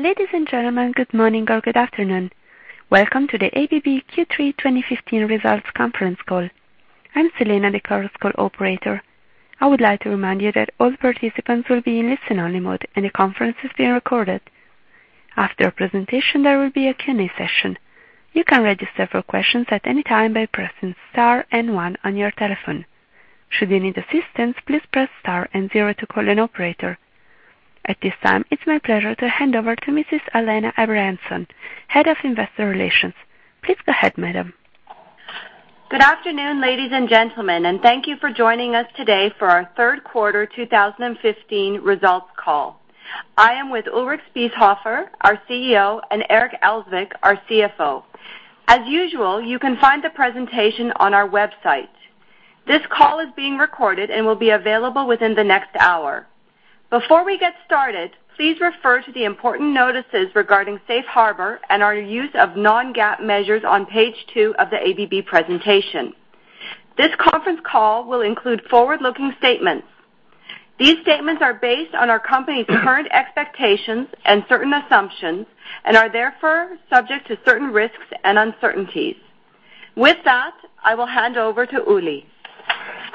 Ladies and gentlemen, good morning or good afternoon. Welcome to the ABB Q3 2015 results conference call. I'm Selena, the conference call operator. I would like to remind you that all participants will be in listen-only mode, and the conference is being recorded. After a presentation, there will be a Q&A session. You can register for questions at any time by pressing star and one on your telephone. Should you need assistance, please press star and zero to call an operator. At this time, it's my pleasure to hand over to Mrs. Alanna Abrahamson, Head of Investor Relations. Please go ahead, madam. Good afternoon, ladies and gentlemen, and thank you for joining us today for our third quarter 2015 results call. I am with Ulrich Spiesshofer, our CEO, and Eric Elzvik, our CFO. As usual, you can find the presentation on our website. This call is being recorded and will be available within the next hour. Before we get started, please refer to the important notices regarding Safe Harbor and our use of non-GAAP measures on page two of the ABB presentation. This conference call will include forward-looking statements. These statements are based on our company's current expectations and certain assumptions and are therefore subject to certain risks and uncertainties. With that, I will hand over to Uli.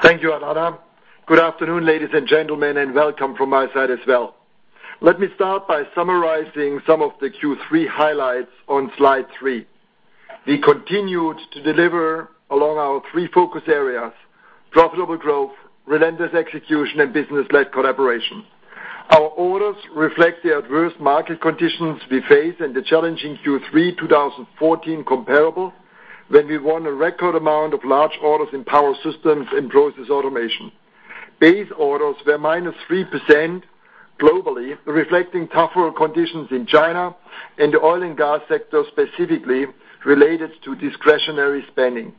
Thank you, Alanna. Good afternoon, ladies and gentlemen, and welcome from my side as well. Let me start by summarizing some of the Q3 highlights on slide three. We continued to deliver along our three focus areas, profitable growth, relentless execution, and business-led collaboration. Our orders reflect the adverse market conditions we face and the challenging Q3 2014 comparable, when we won a record amount of large orders in Power Systems and Process Automation. Base orders were minus 3% globally, reflecting tougher conditions in China and the oil and gas sector, specifically related to discretionary spending.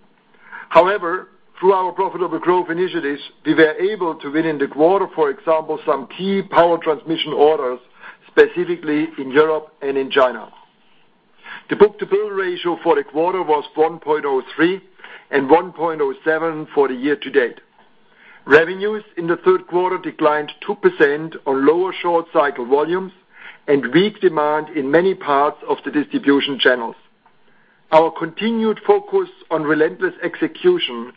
Through our profitable growth initiatives, we were able to win in the quarter, for example, some key power transmission orders, specifically in Europe and in China. The book-to-bill ratio for the quarter was 1.03 and 1.07 for the year-to-date. Revenues in the third quarter declined 2% on lower short-cycle volumes and weak demand in many parts of the distribution channels. Our continued focus on relentless execution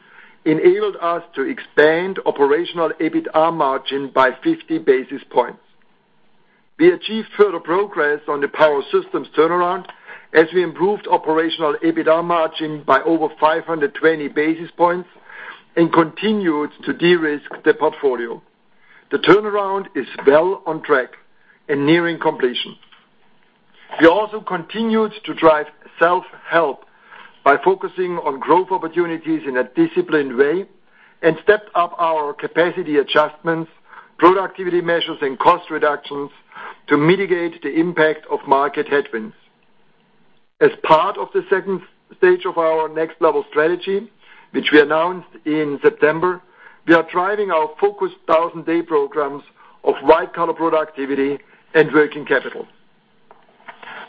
enabled us to expand operational EBITA margin by 50 basis points. We achieved further progress on the Power Systems turnaround as we improved operational EBITA margin by over 520 basis points and continued to de-risk the portfolio. The turnaround is well on track and nearing completion. We continued to drive self-help by focusing on growth opportunities in a disciplined way and stepped up our capacity adjustments, productivity measures, and cost reductions to mitigate the impact of market headwinds. As part of the stage 2 of our Next Level strategy, which we announced in September, we are driving our focused 1,000-day programs of white-collar productivity and working capital.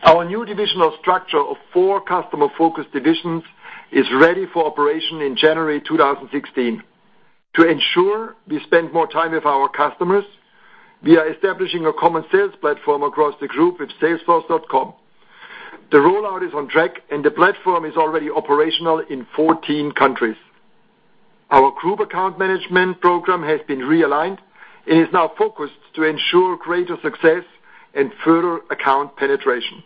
Our new divisional structure of four customer-focused divisions is ready for operation in January 2016. To ensure we spend more time with our customers, we are establishing a common sales platform across the group with salesforce.com. The rollout is on track, and the platform is already operational in 14 countries. Our group account management program has been realigned and is now focused to ensure greater success and further account penetration.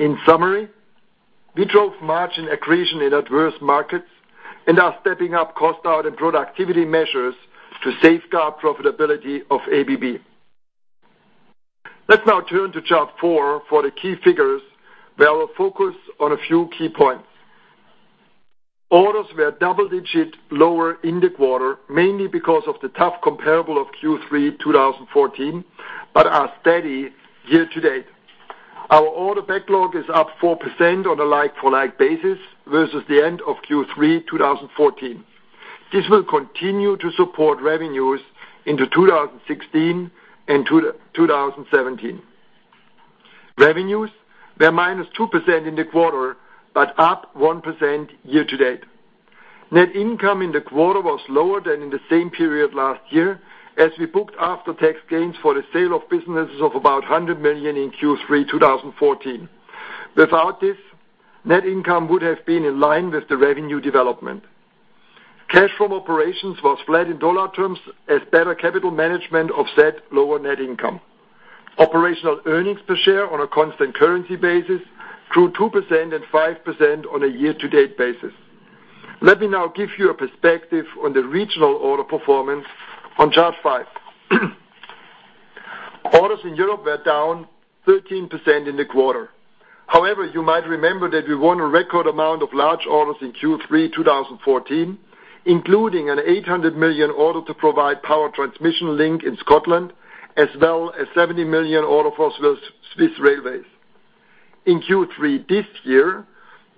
In summary, we drove margin accretion in adverse markets and are stepping up cost out and productivity measures to safeguard profitability of ABB. Let's now turn to chart four for the key figures, where I will focus on a few key points. Orders were double-digit lower in the quarter, mainly because of the tough comparable of Q3 2014, but are steady year-to-date. Our order backlog is up 4% on a like-for-like basis versus the end of Q3 2014. This will continue to support revenues into 2016 and 2017. Revenues were minus 2% in the quarter, but up 1% year-to-date. Net income in the quarter was lower than in the same period last year, as we booked after-tax gains for the sale of businesses of about $100 million in Q3 2014. Without this, net income would have been in line with the revenue development. Cash from operations was flat in dollar terms as better capital management offset lower net income. Operational earnings per share on a constant currency basis grew 2% and 5% on a year-to-date basis. Let me now give you a perspective on the regional order performance on chart five. Orders in Europe were down 13% in the quarter. However, you might remember that we won a record amount of large orders in Q3 2014, including an $800 million order to provide power transmission link in Scotland, as well as $70 million order for Swiss Railways. In Q3 this year,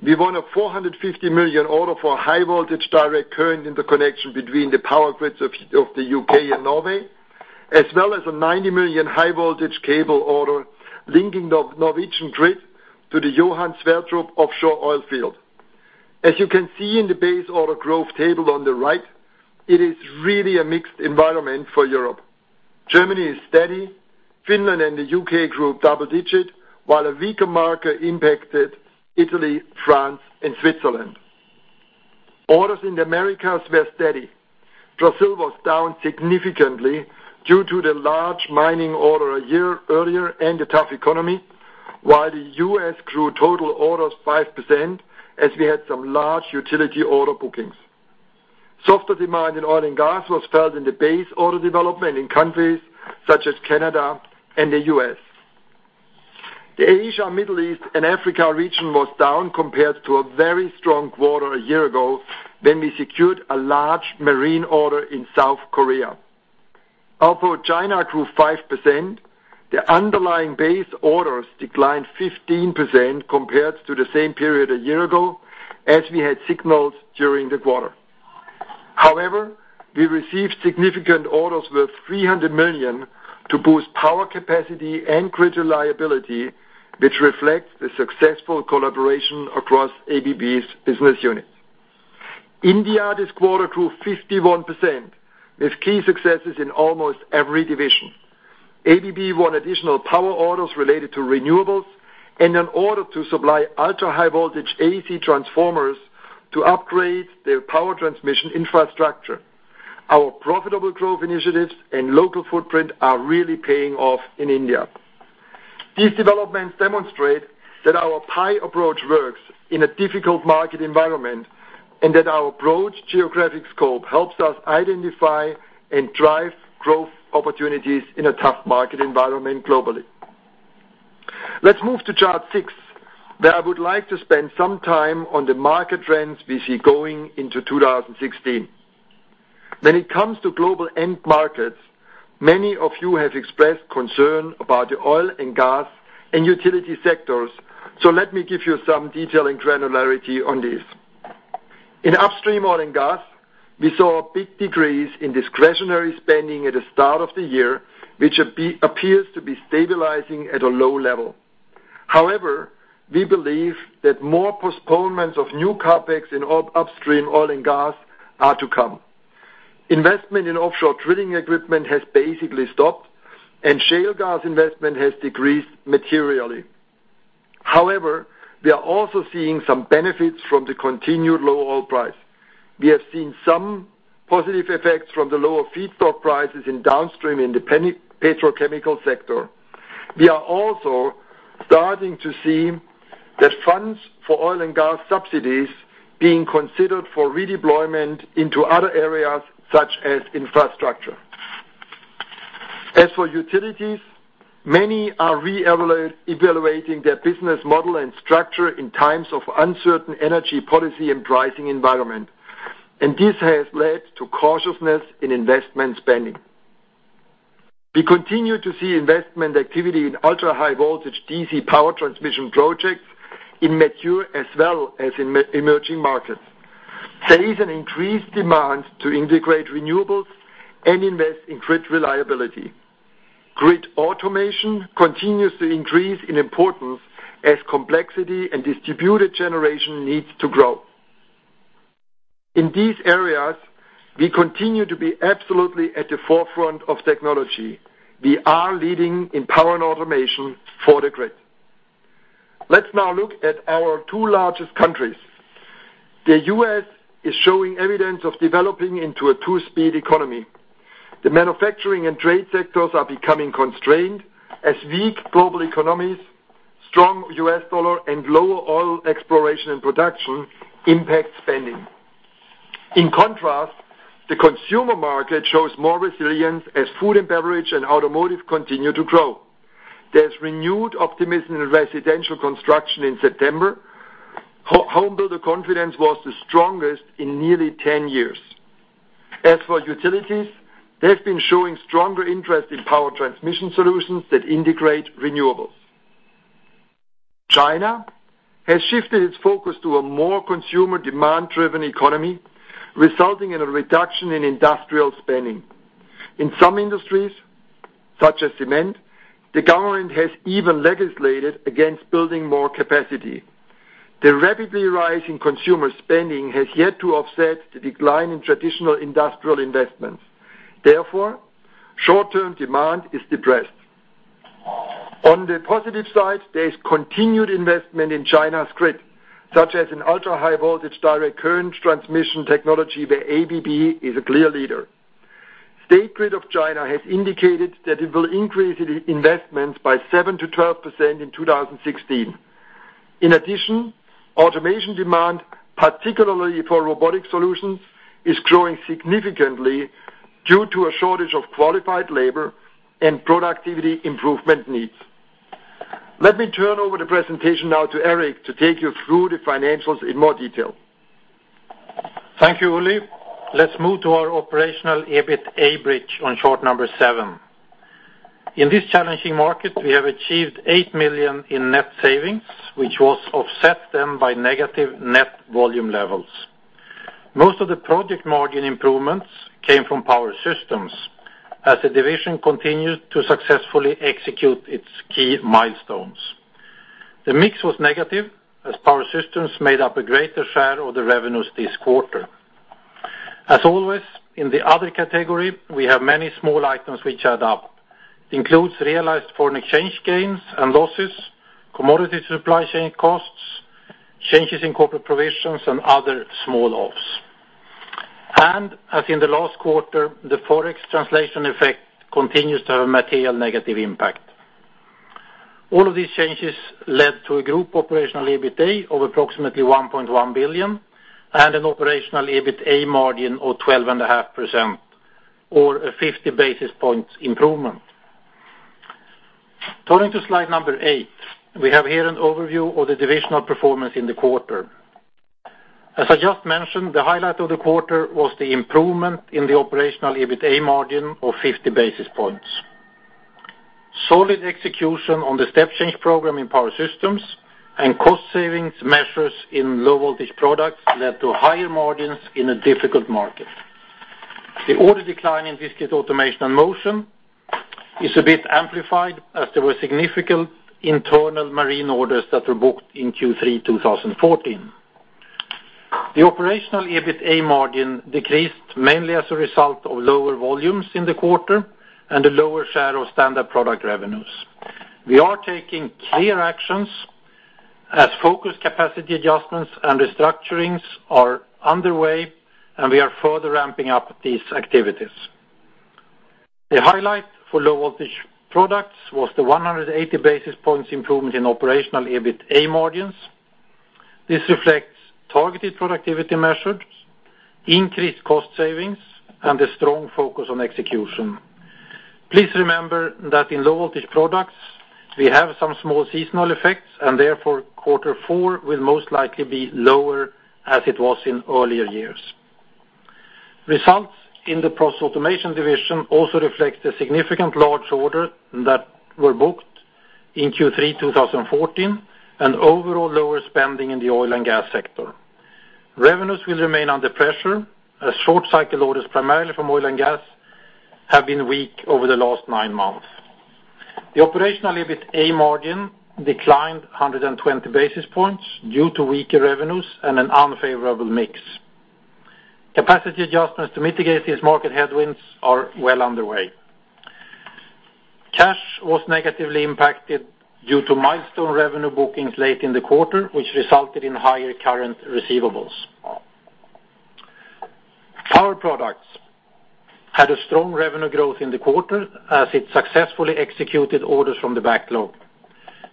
we won a $450 million order for high voltage direct current in the connection between the power grids of the U.K. and Norway, as well as a $90 million high voltage cable order linking the Norwegian grid to the Johan Sverdrup offshore oil field. As you can see in the base order growth table on the right, it is really a mixed environment for Europe. Germany is steady, Finland and the U.K. grew double digit, while a weaker market impacted Italy, France, and Switzerland. Orders in the Americas were steady. Brazil was down significantly due to the large mining order a year earlier and a tough economy, while the U.S. grew total orders 5%, as we had some large utility order bookings. Softer demand in oil and gas was felt in the base order development in countries such as Canada and the U.S. The Asia, Middle East, and Africa region was down compared to a very strong quarter a year ago, when we secured a large marine order in South Korea. Although China grew 5%, the underlying base orders declined 15% compared to the same period a year ago, as we had signaled during the quarter. However, we received significant orders worth $300 million to boost power capacity and grid reliability, which reflects the successful collaboration across ABB's business units. India this quarter grew 51%, with key successes in almost every division. ABB won additional power orders related to renewables and an order to supply ultra-high voltage AC transformers to upgrade their power transmission infrastructure. Our profitable growth initiatives and local footprint are really paying off in India. These developments demonstrate that our Process Automation approach works in a difficult market environment, and that our broad geographic scope helps us identify and drive growth opportunities in a tough market environment globally. Let's move to chart six, where I would like to spend some time on the market trends we see going into 2016. When it comes to global end markets, many of you have expressed concern about the oil and gas and utility sectors, so let me give you some detail and granularity on this. In upstream oil and gas, we saw a big decrease in discretionary spending at the start of the year, which appears to be stabilizing at a low level. However, we believe that more postponements of new CapEx in upstream oil and gas are to come. Investment in offshore drilling equipment has basically stopped, and shale gas investment has decreased materially. We are also seeing some benefits from the continued low oil price. We have seen some positive effects from the lower feedstock prices in downstream in the petrochemical sector. We are also starting to see that funds for oil and gas subsidies being considered for redeployment into other areas such as infrastructure. As for utilities, many are re-evaluating their business model and structure in times of uncertain energy policy and pricing environment, and this has led to cautiousness in investment spending. We continue to see investment activity in ultra-high voltage DC power transmission projects in mature as well as emerging markets. There is an increased demand to integrate renewables and invest in grid reliability. Grid automation continues to increase in importance as complexity and distributed generation needs to grow. In these areas, we continue to be absolutely at the forefront of technology. We are leading in power and automation for the grid. Let's now look at our two largest countries. The U.S. is showing evidence of developing into a two-speed economy. The manufacturing and trade sectors are becoming constrained as weak global economies, strong U.S. dollar, and lower oil exploration and production impact spending. In contrast, the consumer market shows more resilience as food and beverage and automotive continue to grow. There's renewed optimism in residential construction in September. Home builder confidence was the strongest in nearly 10 years. As for utilities, they've been showing stronger interest in power transmission solutions that integrate renewables. China has shifted its focus to a more consumer demand-driven economy, resulting in a reduction in industrial spending. In some industries, such as cement, the government has even legislated against building more capacity. The rapidly rising consumer spending has yet to offset the decline in traditional industrial investments. Short-term demand is depressed. On the positive side, there is continued investment in China's grid, such as an ultra-high voltage direct current transmission technology where ABB is a clear leader. State Grid of China has indicated that it will increase its investments by 7%-12% in 2016. In addition, automation demand, particularly for robotic solutions, is growing significantly due to a shortage of qualified labor and productivity improvement needs. Let me turn over the presentation now to Eric to take you through the financials in more detail. Thank you, Uli. Let's move to our operational EBITA bridge on chart number seven. In this challenging market, we have achieved $8 million in net savings, which was offset then by negative net volume levels. Most of the project margin improvements came from Power Systems as the division continued to successfully execute its key milestones. The mix was negative as Power Systems made up a greater share of the revenues this quarter. As always, in the other category, we have many small items which add up. Includes realized foreign exchange gains and losses, commodity supply chain costs, changes in corporate provisions, and other small offs. As in the last quarter, the Forex translation effect continues to have a material negative impact. All of these changes led to a group operational EBITA of approximately $1.1 billion and an operational EBITA margin of 12.5%, or a 50 basis points improvement. Turning to slide number eight, we have here an overview of the divisional performance in the quarter. As I just mentioned, the highlight of the quarter was the improvement in the operational EBITA margin of 50 basis points. Solid execution on the step change program in Power Systems and cost savings measures in Low Voltage Products led to higher margins in a difficult market. The order decline in Discrete Automation and Motion is a bit amplified as there were significant internal marine orders that were booked in Q3 2014. The operational EBITA margin decreased mainly as a result of lower volumes in the quarter and a lower share of standard product revenues. We are taking clear actions as focus capacity adjustments and restructurings are underway, and we are further ramping up these activities. The highlight for Low Voltage Products was the 180 basis points improvement in operational EBITA margins. This reflects targeted productivity measures, increased cost savings, and a strong focus on execution. Please remember that in Low Voltage Products, we have some small seasonal effects, and therefore, quarter four will most likely be lower as it was in earlier years. Results in the Process Automation division also reflects the significant large order that were booked in Q3 2014 and overall lower spending in the oil and gas sector. Revenues will remain under pressure as short cycle orders, primarily from oil and gas, have been weak over the last nine months. The operational EBITA margin declined 120 basis points due to weaker revenues and an unfavorable mix. Capacity adjustments to mitigate these market headwinds are well underway. Cash was negatively impacted due to milestone revenue bookings late in the quarter, which resulted in higher current receivables. Power Products had a strong revenue growth in the quarter as it successfully executed orders from the backlog.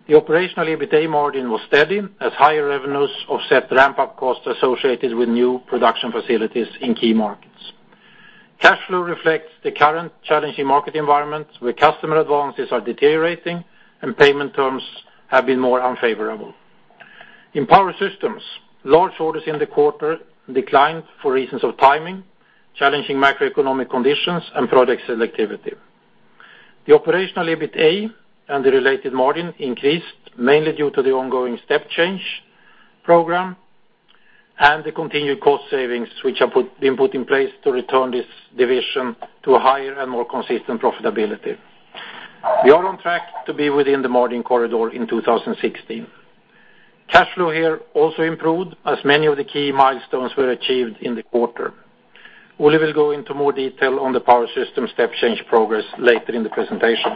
The operational EBITA margin was steady as higher revenues offset ramp-up costs associated with new production facilities in key markets. Cash flow reflects the current challenging market environment where customer advances are deteriorating and payment terms have been more unfavorable. In Power Systems, large orders in the quarter declined for reasons of timing, challenging macroeconomic conditions, and product selectivity. The operational EBITA and the related margin increased mainly due to the ongoing step change program and the continued cost savings which have been put in place to return this division to a higher and more consistent profitability. We are on track to be within the margin corridor in 2016. Cash flow here also improved as many of the key milestones were achieved in the quarter. Uli will go into more detail on the Power Systems step change progress later in the presentation.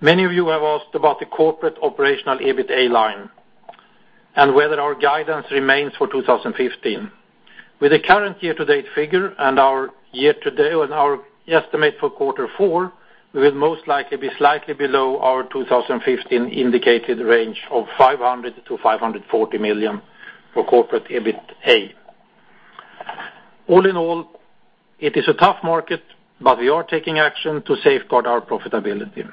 Many of you have asked about the corporate operational EBITA line and whether our guidance remains for 2015. With the current year-to-date figure and our estimate for quarter four, we will most likely be slightly below our 2015 indicated range of $500 million-$540 million for corporate EBITA. All in all, it is a tough market, but we are taking action to safeguard our profitability.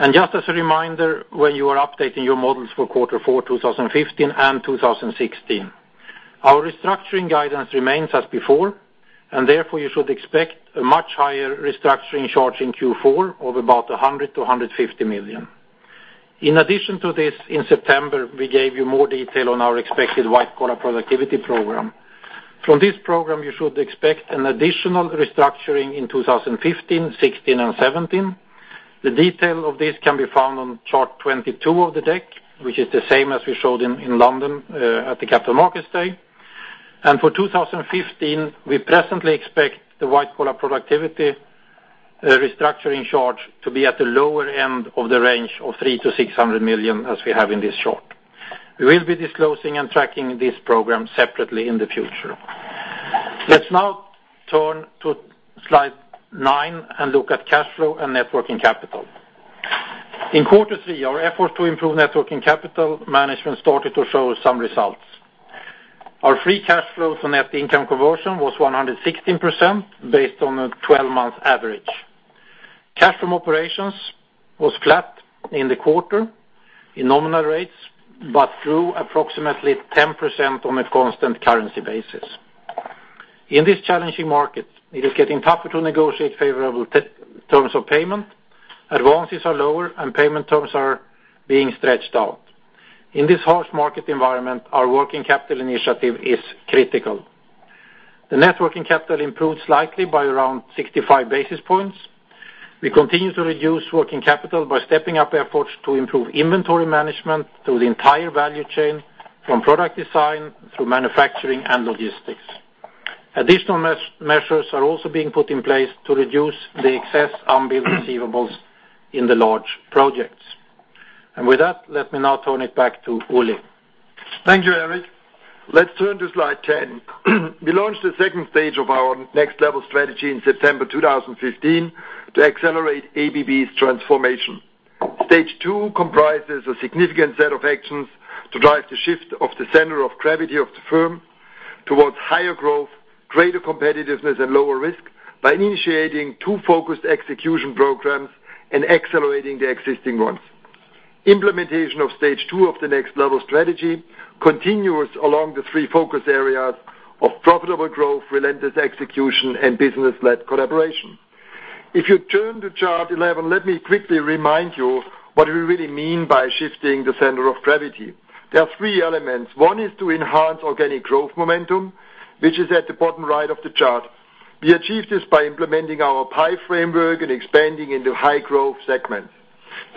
Just as a reminder, when you are updating your models for quarter four 2015 and 2016, our restructuring guidance remains as before, therefore, you should expect a much higher restructuring charge in Q4 of about $100 million-$150 million. In addition to this, in September, we gave you more detail on our expected White-Collar Productivity Program. From this program, you should expect an additional restructuring in 2015, 2016, and 2017. The detail of this can be found on chart 22 of the deck, which is the same as we showed in London at the Capital Markets Day. For 2015, we presently expect the White-Collar Productivity restructuring charge to be at the lower end of the range of $300 million-$600 million as we have in this chart. We will be disclosing and tracking this program separately in the future. Let's now turn to slide nine and look at cash flow and net working capital. In quarter three, our effort to improve net working capital management started to show some results. Our free cash flow to net income conversion was 116% based on a 12-month average. Cash from operations was flat in the quarter in nominal rates, but through approximately 10% on a constant currency basis. In this challenging market, it is getting tougher to negotiate favorable terms of payment, advances are lower, and payment terms are being stretched out. In this harsh market environment, our working capital initiative is critical. The net working capital improved slightly by around 65 basis points. We continue to reduce working capital by stepping up efforts to improve inventory management through the entire value chain, from product design through manufacturing and logistics. Additional measures are also being put in place to reduce the excess unbilled receivables in the large projects. With that, let me now turn it back to Ulrich. Thank you, Eric. Let's turn to slide 10. We launched the second Stage of our Next Level strategy in September 2015 to accelerate ABB's transformation. Stage 2 comprises a significant set of actions to drive the shift of the center of gravity of the firm towards higher growth, greater competitiveness, and lower risk by initiating two focused execution programs and accelerating the existing ones. Implementation of Stage 2 of the Next Level strategy continues along the three focus areas of profitable growth, relentless execution, and business-led collaboration. If you turn to chart 11, let me quickly remind you what we really mean by shifting the center of gravity. There are three elements. One is to enhance organic growth momentum, which is at the bottom right of the chart. We achieve this by implementing our PI framework and expanding into high-growth segments.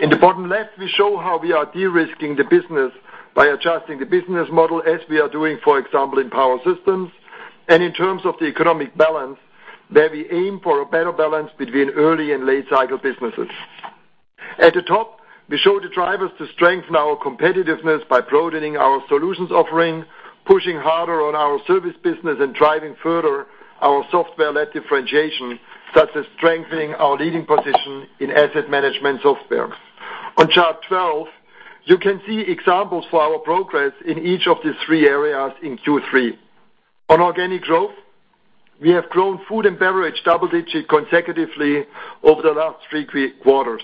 In the bottom left, we show how we are de-risking the business by adjusting the business model as we are doing, for example, in Power Systems, and in terms of the economic balance, where we aim for a better balance between early and late-cycle businesses. At the top, we show the drivers to strengthen our competitiveness by broadening our solutions offering, pushing harder on our service business, and driving further our software-led differentiation, such as strengthening our leading position in asset management software. On Chart 12, you can see examples for our progress in each of these three areas in Q3. On organic growth, we have grown food and beverage double-digit consecutively over the last three quarters.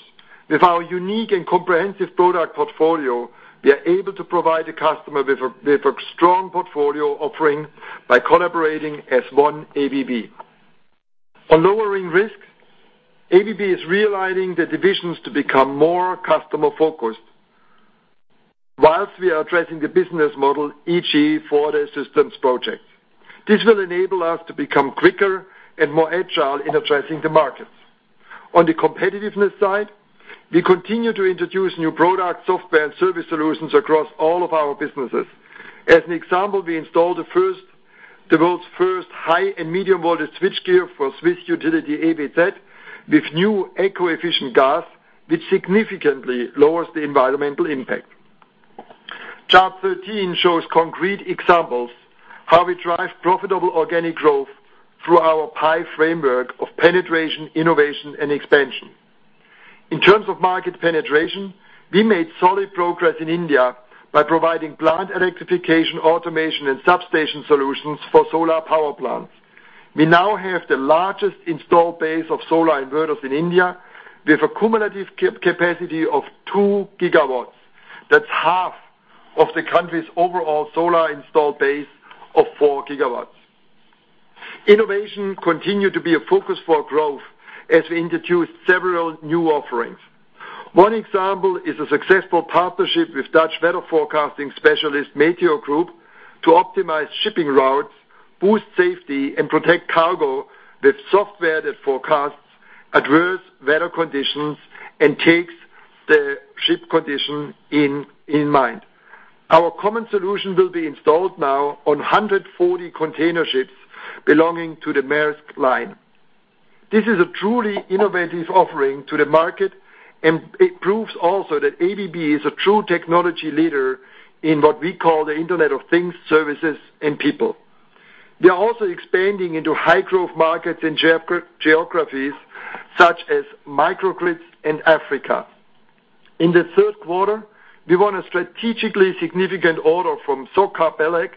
With our unique and comprehensive product portfolio, we are able to provide the customer with a strong portfolio offering by collaborating as one ABB. On lowering risk, ABB is realigning the divisions to become more customer-focused whilst we are addressing the business model, e.g., for the systems project. This will enable us to become quicker and more agile in addressing the markets. On the competitiveness side, we continue to introduce new products, software, and service solutions across all of our businesses. As an example, we installed the world's first high and medium voltage switchgear for Swiss utility EWZ with new eco-efficient gas, which significantly lowers the environmental impact. Chart 13 shows concrete examples how we drive profitable organic growth through our PI framework of penetration, innovation, and expansion. In terms of market penetration, we made solid progress in India by providing plant electrification, automation, and substation solutions for solar power plants. We now have the largest installed base of solar inverters in India with a cumulative capacity of two gigawatts. That's half of the country's overall solar installed base of four gigawatts. Innovation continued to be a focus for growth as we introduced several new offerings. One example is a successful partnership with Dutch weather forecasting specialist, MeteoGroup, to optimize shipping routes, boost safety, and protect cargo with software that forecasts adverse weather conditions and takes the ship condition in mind. Our common solution will be installed now on 140 container ships belonging to the Maersk Line. This is a truly innovative offering to the market, and it proves also that ABB is a true technology leader in what we call the Internet of Things, services, and people. We are also expanding into high-growth markets and geographies such as microgrids and Africa. In the third quarter, we won a strategically significant order from Socabelec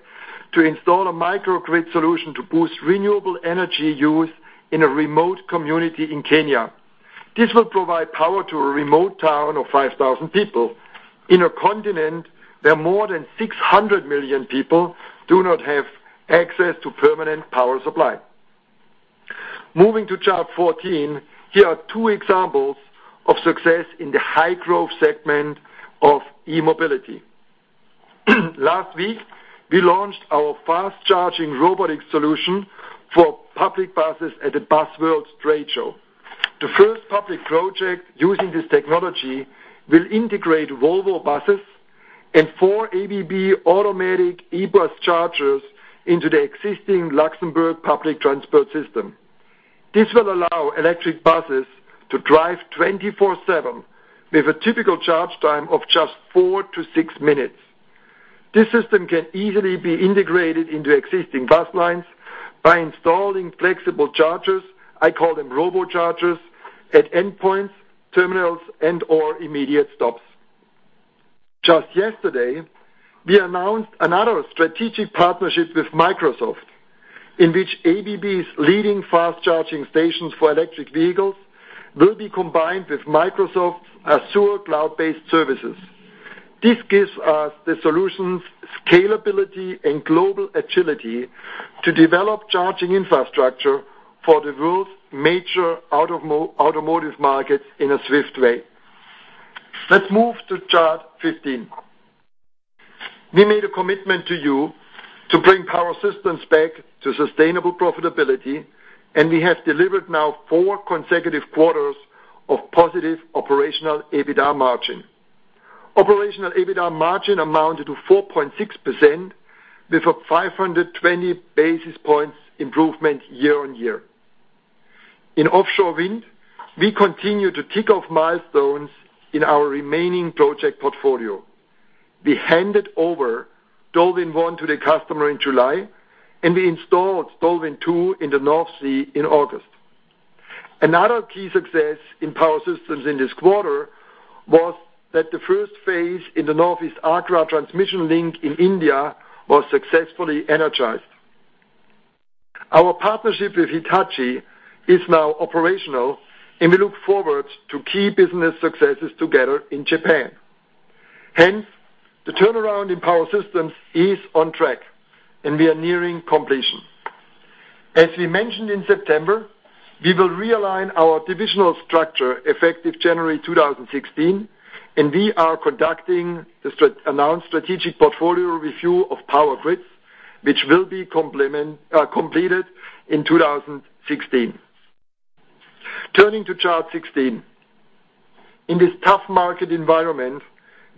to install a microgrid solution to boost renewable energy use in a remote community in Kenya. This will provide power to a remote town of 5,000 people in a continent where more than 600 million people do not have access to permanent power supply. Moving to Chart 14, here are two examples of success in the high-growth segment of e-mobility. Last week, we launched our fast-charging robotic solution for public buses at the Busworld trade show. The first public project using this technology will integrate Volvo buses and four ABB automatic e-bus chargers into the existing Luxembourg public transport system. This will allow electric buses to drive 24/7 with a typical charge time of just four to six minutes. This system can easily be integrated into existing bus lines by installing flexible chargers, I call them robo chargers, at endpoints, terminals, and/or immediate stops. Just yesterday, we announced another strategic partnership with Microsoft, in which ABB's leading fast charging stations for electric vehicles will be combined with Microsoft's Azure cloud-based services. This gives us the solutions scalability and global agility to develop charging infrastructure for the world's major automotive markets in a swift way. Let's move to chart 15. We made a commitment to you to bring Power Systems back to sustainable profitability, and we have delivered now four consecutive quarters of positive operational EBITA margin. Operational EBITA margin amounted to 4.6% with a 520 basis points improvement year-on-year. In offshore wind, we continue to tick off milestones in our remaining project portfolio. We handed over DolWin1 to the customer in July, and we installed DolWin2 in the North Sea in August. Another key success in Power Systems in this quarter was that the first phase in the North-East Agra transmission link in India was successfully energized. Our partnership with Hitachi is now operational, and we look forward to key business successes together in Japan. The turnaround in Power Systems is on track, and we are nearing completion. As we mentioned in September, we will realign our divisional structure effective January 2016, and we are conducting the announced strategic portfolio review of Power Grids, which will be completed in 2016. Turning to chart 16. In this tough market environment,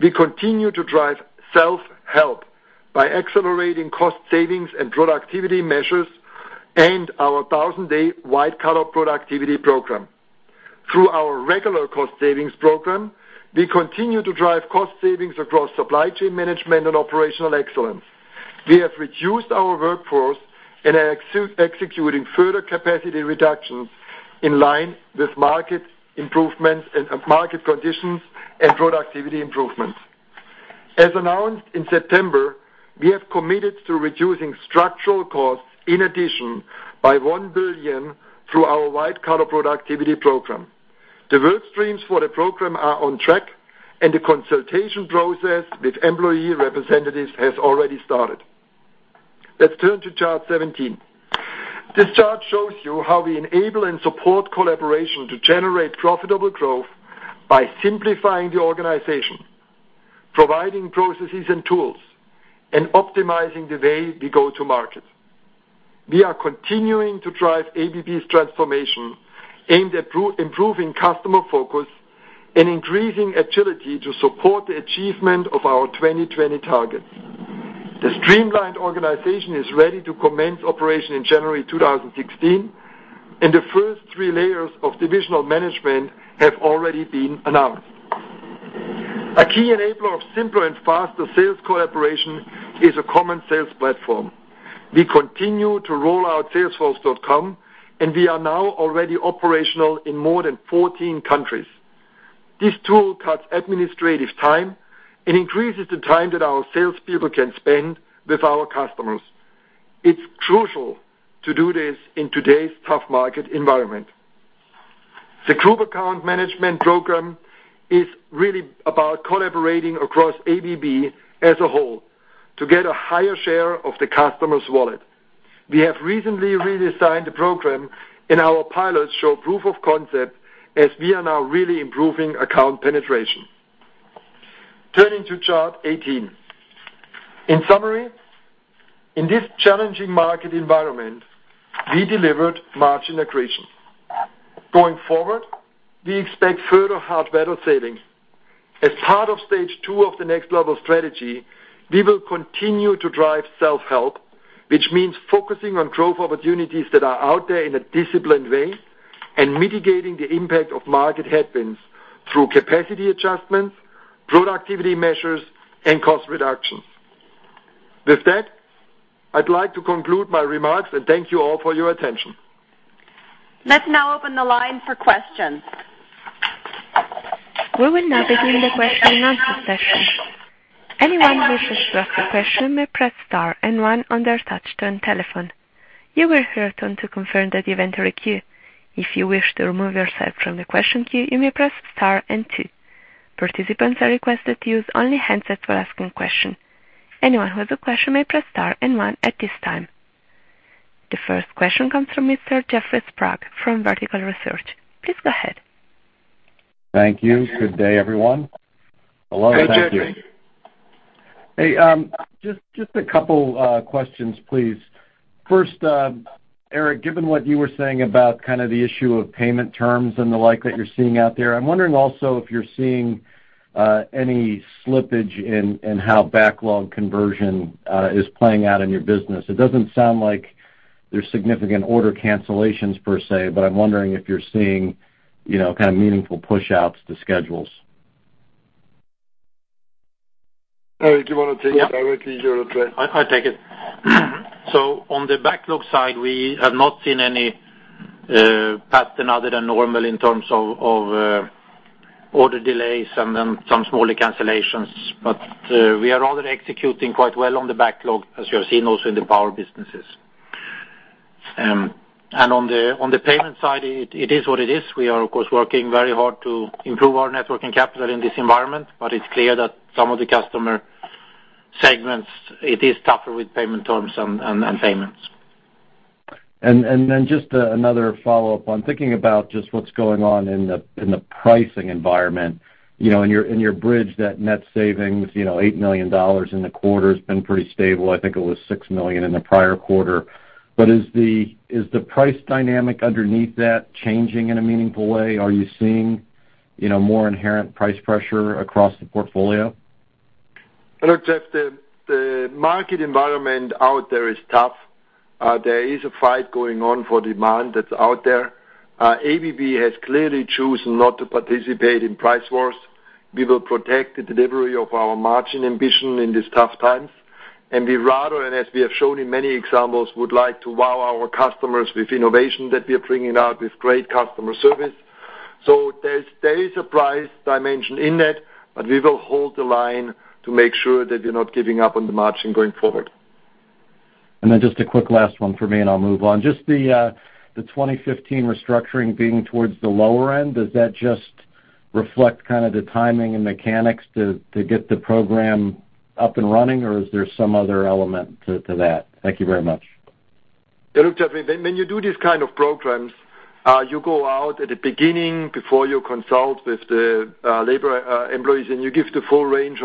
we continue to drive self-help by accelerating cost savings and productivity measures and our thousand-day White-Collar Productivity Program. Through our regular cost savings program, we continue to drive cost savings across supply chain management and operational excellence. We have reduced our workforce and are executing further capacity reductions in line with market conditions and productivity improvements. As announced in September, we have committed to reducing structural costs in addition by $1 billion through our White-Collar Productivity Program. The work streams for the program are on track, and the consultation process with employee representatives has already started. Let's turn to chart 17. This chart shows you how we enable and support collaboration to generate profitable growth by simplifying the organization, providing processes and tools, and optimizing the way we go to market. We are continuing to drive ABB's transformation aimed at improving customer focus and increasing agility to support the achievement of our 2020 targets. The streamlined organization is ready to commence operation in January 2016, and the first three layers of divisional management have already been announced. A key enabler of simpler and faster sales collaboration is a common sales platform. We continue to roll out salesforce.com, and we are now already operational in more than 14 countries. This tool cuts administrative time and increases the time that our salespeople can spend with our customers. It's crucial to do this in today's tough market environment. The group account management program is really about collaborating across ABB as a whole to get a higher share of the customer's wallet. We have recently redesigned the program, and our pilots show proof of concept as we are now really improving account penetration. Turning to chart 18. In summary, in this challenging market environment, we delivered margin accretion. Going forward, we expect further hard battle savings. As part of stage 2 of the Next Level strategy, we will continue to drive self-help, which means focusing on growth opportunities that are out there in a disciplined way and mitigating the impact of market headwinds through capacity adjustments, productivity measures, and cost reductions. With that, I'd like to conclude my remarks and thank you all for your attention. Let's now open the line for questions. We will now begin the question and answer session. Anyone wishing to ask a question may press star 1 on their touch-tone telephone. You will hear a tone to confirm that you've entered a queue. If you wish to remove yourself from the question queue, you may press star 2. Participants are requested to use only handsets for asking question. Anyone who has a question may press star 1 at this time. The first question comes from Mr. Jeffrey Sprague from Vertical Research. Please go ahead. Thank you. Good day, everyone. Hello, Jeffrey. Hey, just a couple questions, please. First, Eric, given what you were saying about the issue of payment terms and the like that you're seeing out there, I'm wondering also if you're seeing any slippage in how backlog conversion is playing out in your business. It doesn't sound like there's significant order cancellations per se, but I'm wondering if you're seeing meaningful pushouts to schedules. Eric, you want to take it directly? You're okay. I'll take it. On the backlog side, we have not seen any pattern other than normal in terms of order delays and then some smaller cancellations. We are already executing quite well on the backlog, as you have seen also in the power businesses. On the payment side, it is what it is. We are, of course, working very hard to improve our net working capital in this environment, but it's clear that some of the customer segments, it is tougher with payment terms and payments. Just another follow-up on thinking about just what's going on in the pricing environment. In your bridge, that net savings, $8 million in the quarter has been pretty stable. I think it was $6 million in the prior quarter. Is the price dynamic underneath that changing in a meaningful way? Are you seeing more inherent price pressure across the portfolio? Look, Jeffrey, the market environment out there is tough. There is a fight going on for demand that's out there. ABB has clearly chosen not to participate in price wars. We will protect the delivery of our margin ambition in these tough times. We'd rather, and as we have shown in many examples, would like to wow our customers with innovation that we are bringing out with great customer service. There is a price dimension in that, we will hold the line to make sure that we're not giving up on the margin going forward. Just a quick last one for me, and I'll move on. Just the 2015 restructuring being towards the lower end, does that just reflect kind of the timing and mechanics to get the program up and running, or is there some other element to that? Thank you very much. Look, Jeffrey, when you do these kind of programs, you go out at the beginning before you consult with the labor employees, you give the full range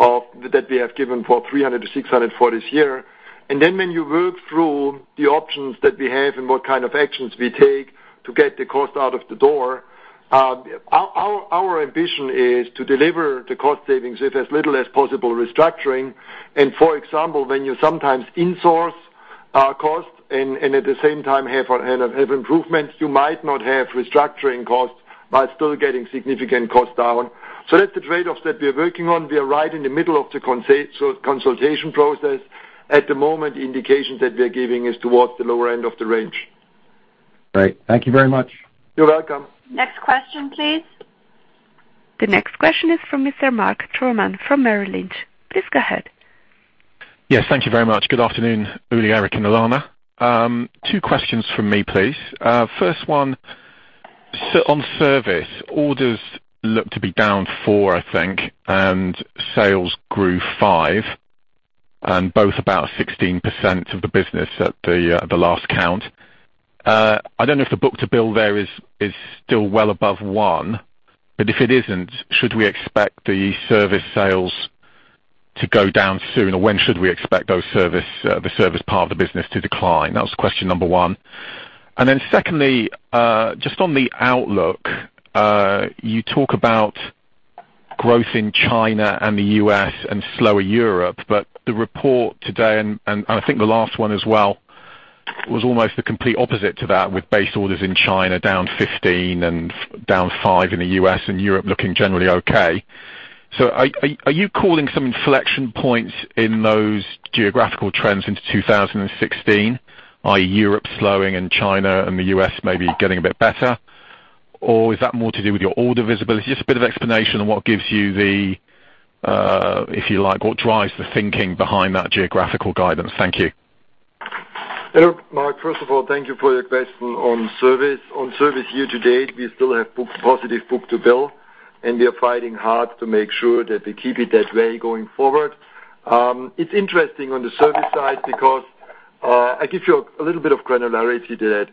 that we have given for 300 to 600 for this year. When you work through the options that we have and what kind of actions we take to get the cost out of the door, our ambition is to deliver the cost savings with as little as possible restructuring. For example, when you sometimes in-source costs and at the same time have improvements, you might not have restructuring costs, but still getting significant cost down. That's the trade-offs that we're working on. We are right in the middle of the consultation process. At the moment, the indication that we're giving is towards the lower end of the range. Great. Thank you very much. You're welcome. Next question, please. The next question is from Mr. Mark Troman from Merrill Lynch. Please go ahead. Yes, thank you very much. Good afternoon, Uli, Eric, and Alanna. Two questions from me, please. First one, on service, orders look to be down four, I think, and sales grew five, and both about 16% of the business at the last count. I don't know if the book-to-bill there is still well above one, but if it isn't, should we expect the service sales to go down soon, or when should we expect the service part of the business to decline? That was question number one. Secondly, just on the outlook, you talk about growth in China and the U.S. and slower Europe, but the report today, and I think the last one as well, was almost the complete opposite to that, with base orders in China down 15 and down five in the U.S. and Europe looking generally okay. Are you calling some inflection points in those geographical trends into 2016, i.e., Europe slowing and China and the U.S. maybe getting a bit better? Is that more to do with your order visibility? Just a bit of explanation on what gives you the, if you like, what drives the thinking behind that geographical guidance. Thank you. Hello, Mark. First of all, thank you for your question on service. On service year to date, we still have positive book-to-bill, we are fighting hard to make sure that we keep it that way going forward. It's interesting on the service side because I give you a little bit of granularity to that.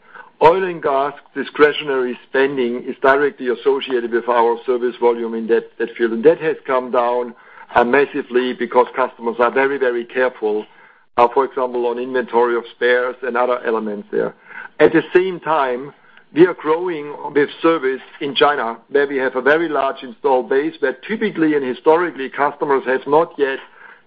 Oil and gas discretionary spending is directly associated with our service volume in that field, that has come down massively because customers are very careful. For example, on inventory of spares and other elements there. At the same time, we are growing with service in China, where we have a very large install base, where typically and historically, customers has not yet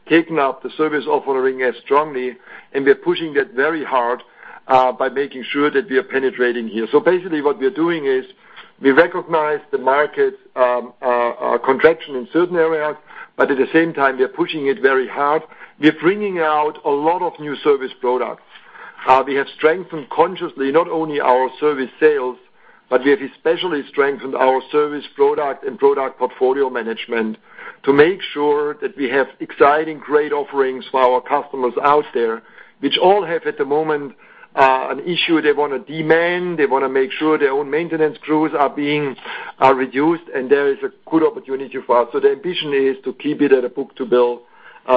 taken up the service offering as strongly, we are pushing that very hard by making sure that we are penetrating here. Basically, what we are doing is we recognize the market contraction in certain areas, but at the same time, we are pushing it very hard. We're bringing out a lot of new service products. We have strengthened consciously not only our service sales, but we have especially strengthened our service product and product portfolio management to make sure that we have exciting, great offerings for our customers out there, which all have, at the moment, an issue they want to demand. They want to make sure their own maintenance crews are being reduced, and there is a good opportunity for us. The ambition is to keep it at a book-to-bill,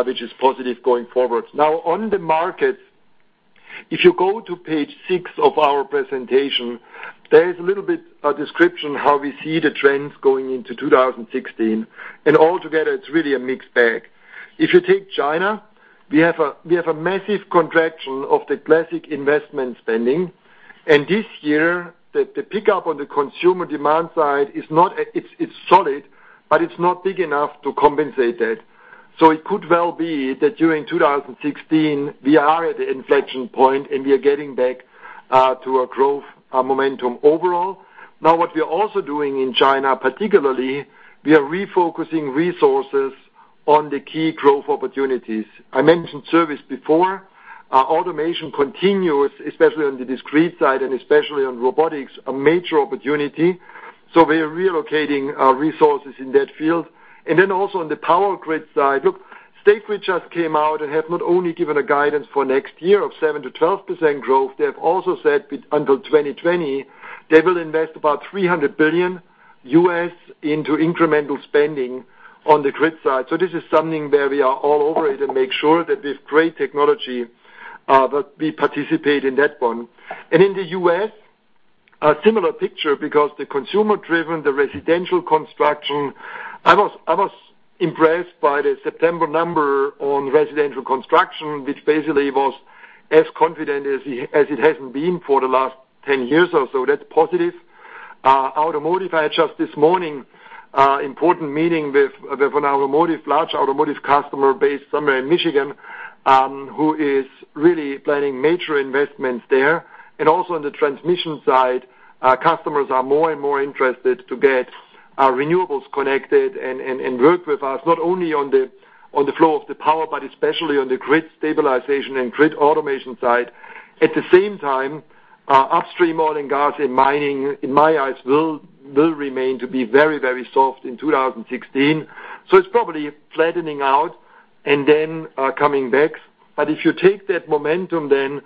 which is positive going forward. Now, on the market, if you go to page six of our presentation, there is a little bit a description how we see the trends going into 2016. Altogether, it's really a mixed bag. If you take China, we have a massive contraction of the classic investment spending. This year, the pickup on the consumer demand side, it's solid, but it's not big enough to compensate that. It could well be that during 2016, we are at the inflection point, and we are getting back to a growth momentum overall. What we are also doing in China, particularly, we are refocusing resources on the key growth opportunities. I mentioned service before. Automation continues, especially on the Discrete side and especially on robotics, a major opportunity. We are relocating our resources in that field. Also on the power grid side, look, State Grid just came out and have not only given a guidance for next year of 7%-12% growth, they have also said until 2020, they will invest about $300 billion into incremental spending on the grid side. This is something where we are all over it and make sure that with great technology, but we participate in that one. In the U.S., a similar picture because the consumer-driven, the residential construction. I was impressed by the September number on residential construction, which basically was as confident as it has been for the last 10 years or so. That's positive. Automotive, I had just this morning, important meeting with an large automotive customer based somewhere in Michigan, who is really planning major investments there. Also, on the transmission side, customers are more and more interested to get renewables connected and work with us, not only on the flow of the power, but especially on the grid stabilization and grid automation side. At the same time, upstream oil and gas and mining, in my eyes, will remain to be very, very soft in 2016. It's probably flattening out and then coming back. If you take that momentum, then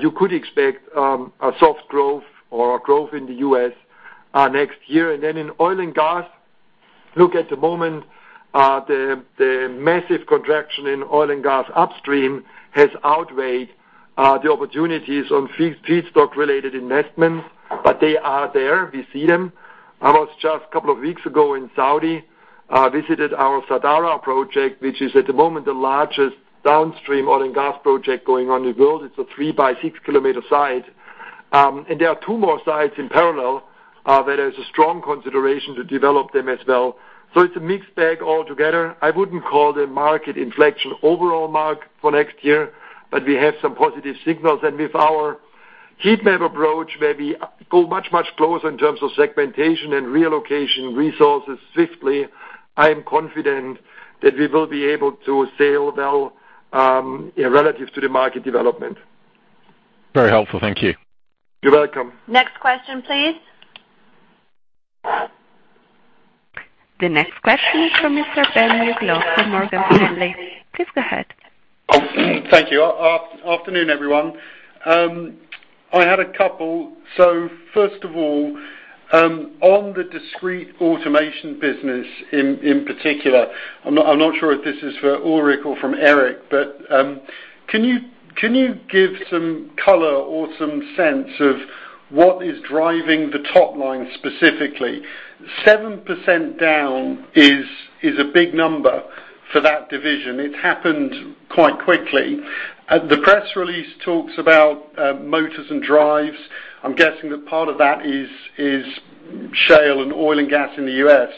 you could expect a soft growth or growth in the U.S. next year. In oil and gas, look at the moment, the massive contraction in oil and gas upstream has outweighed the opportunities on feedstock-related investments. They are there. We see them. I was just a couple of weeks ago in Saudi, visited our Sadara project, which is at the moment the largest downstream oil and gas project going on in the world. It's a three by six-kilometer site. There are two more sites in parallel, where there's a strong consideration to develop them as well. It's a mixed bag altogether. I wouldn't call the market inflection overall mark for next year, but we have some positive signals. With our heat map approach, where we go much, much closer in terms of segmentation and relocation resources swiftly, I am confident that we will be able to sail well relative to the market development. Very helpful. Thank you. You're welcome. Next question, please. The next question is from Mr. Ben Uglow with Morgan Stanley. Please go ahead. Thank you. Afternoon, everyone. I had a couple. First of all, on the Discrete Automation business in particular, I'm not sure if this is for Ulrich or from Eric, but can you give some color or some sense of what is driving the top line specifically? 7% down is a big number for that division. It happened quite quickly. The press release talks about motors and drives. I'm guessing that part of that is shale and oil and gas in the U.S.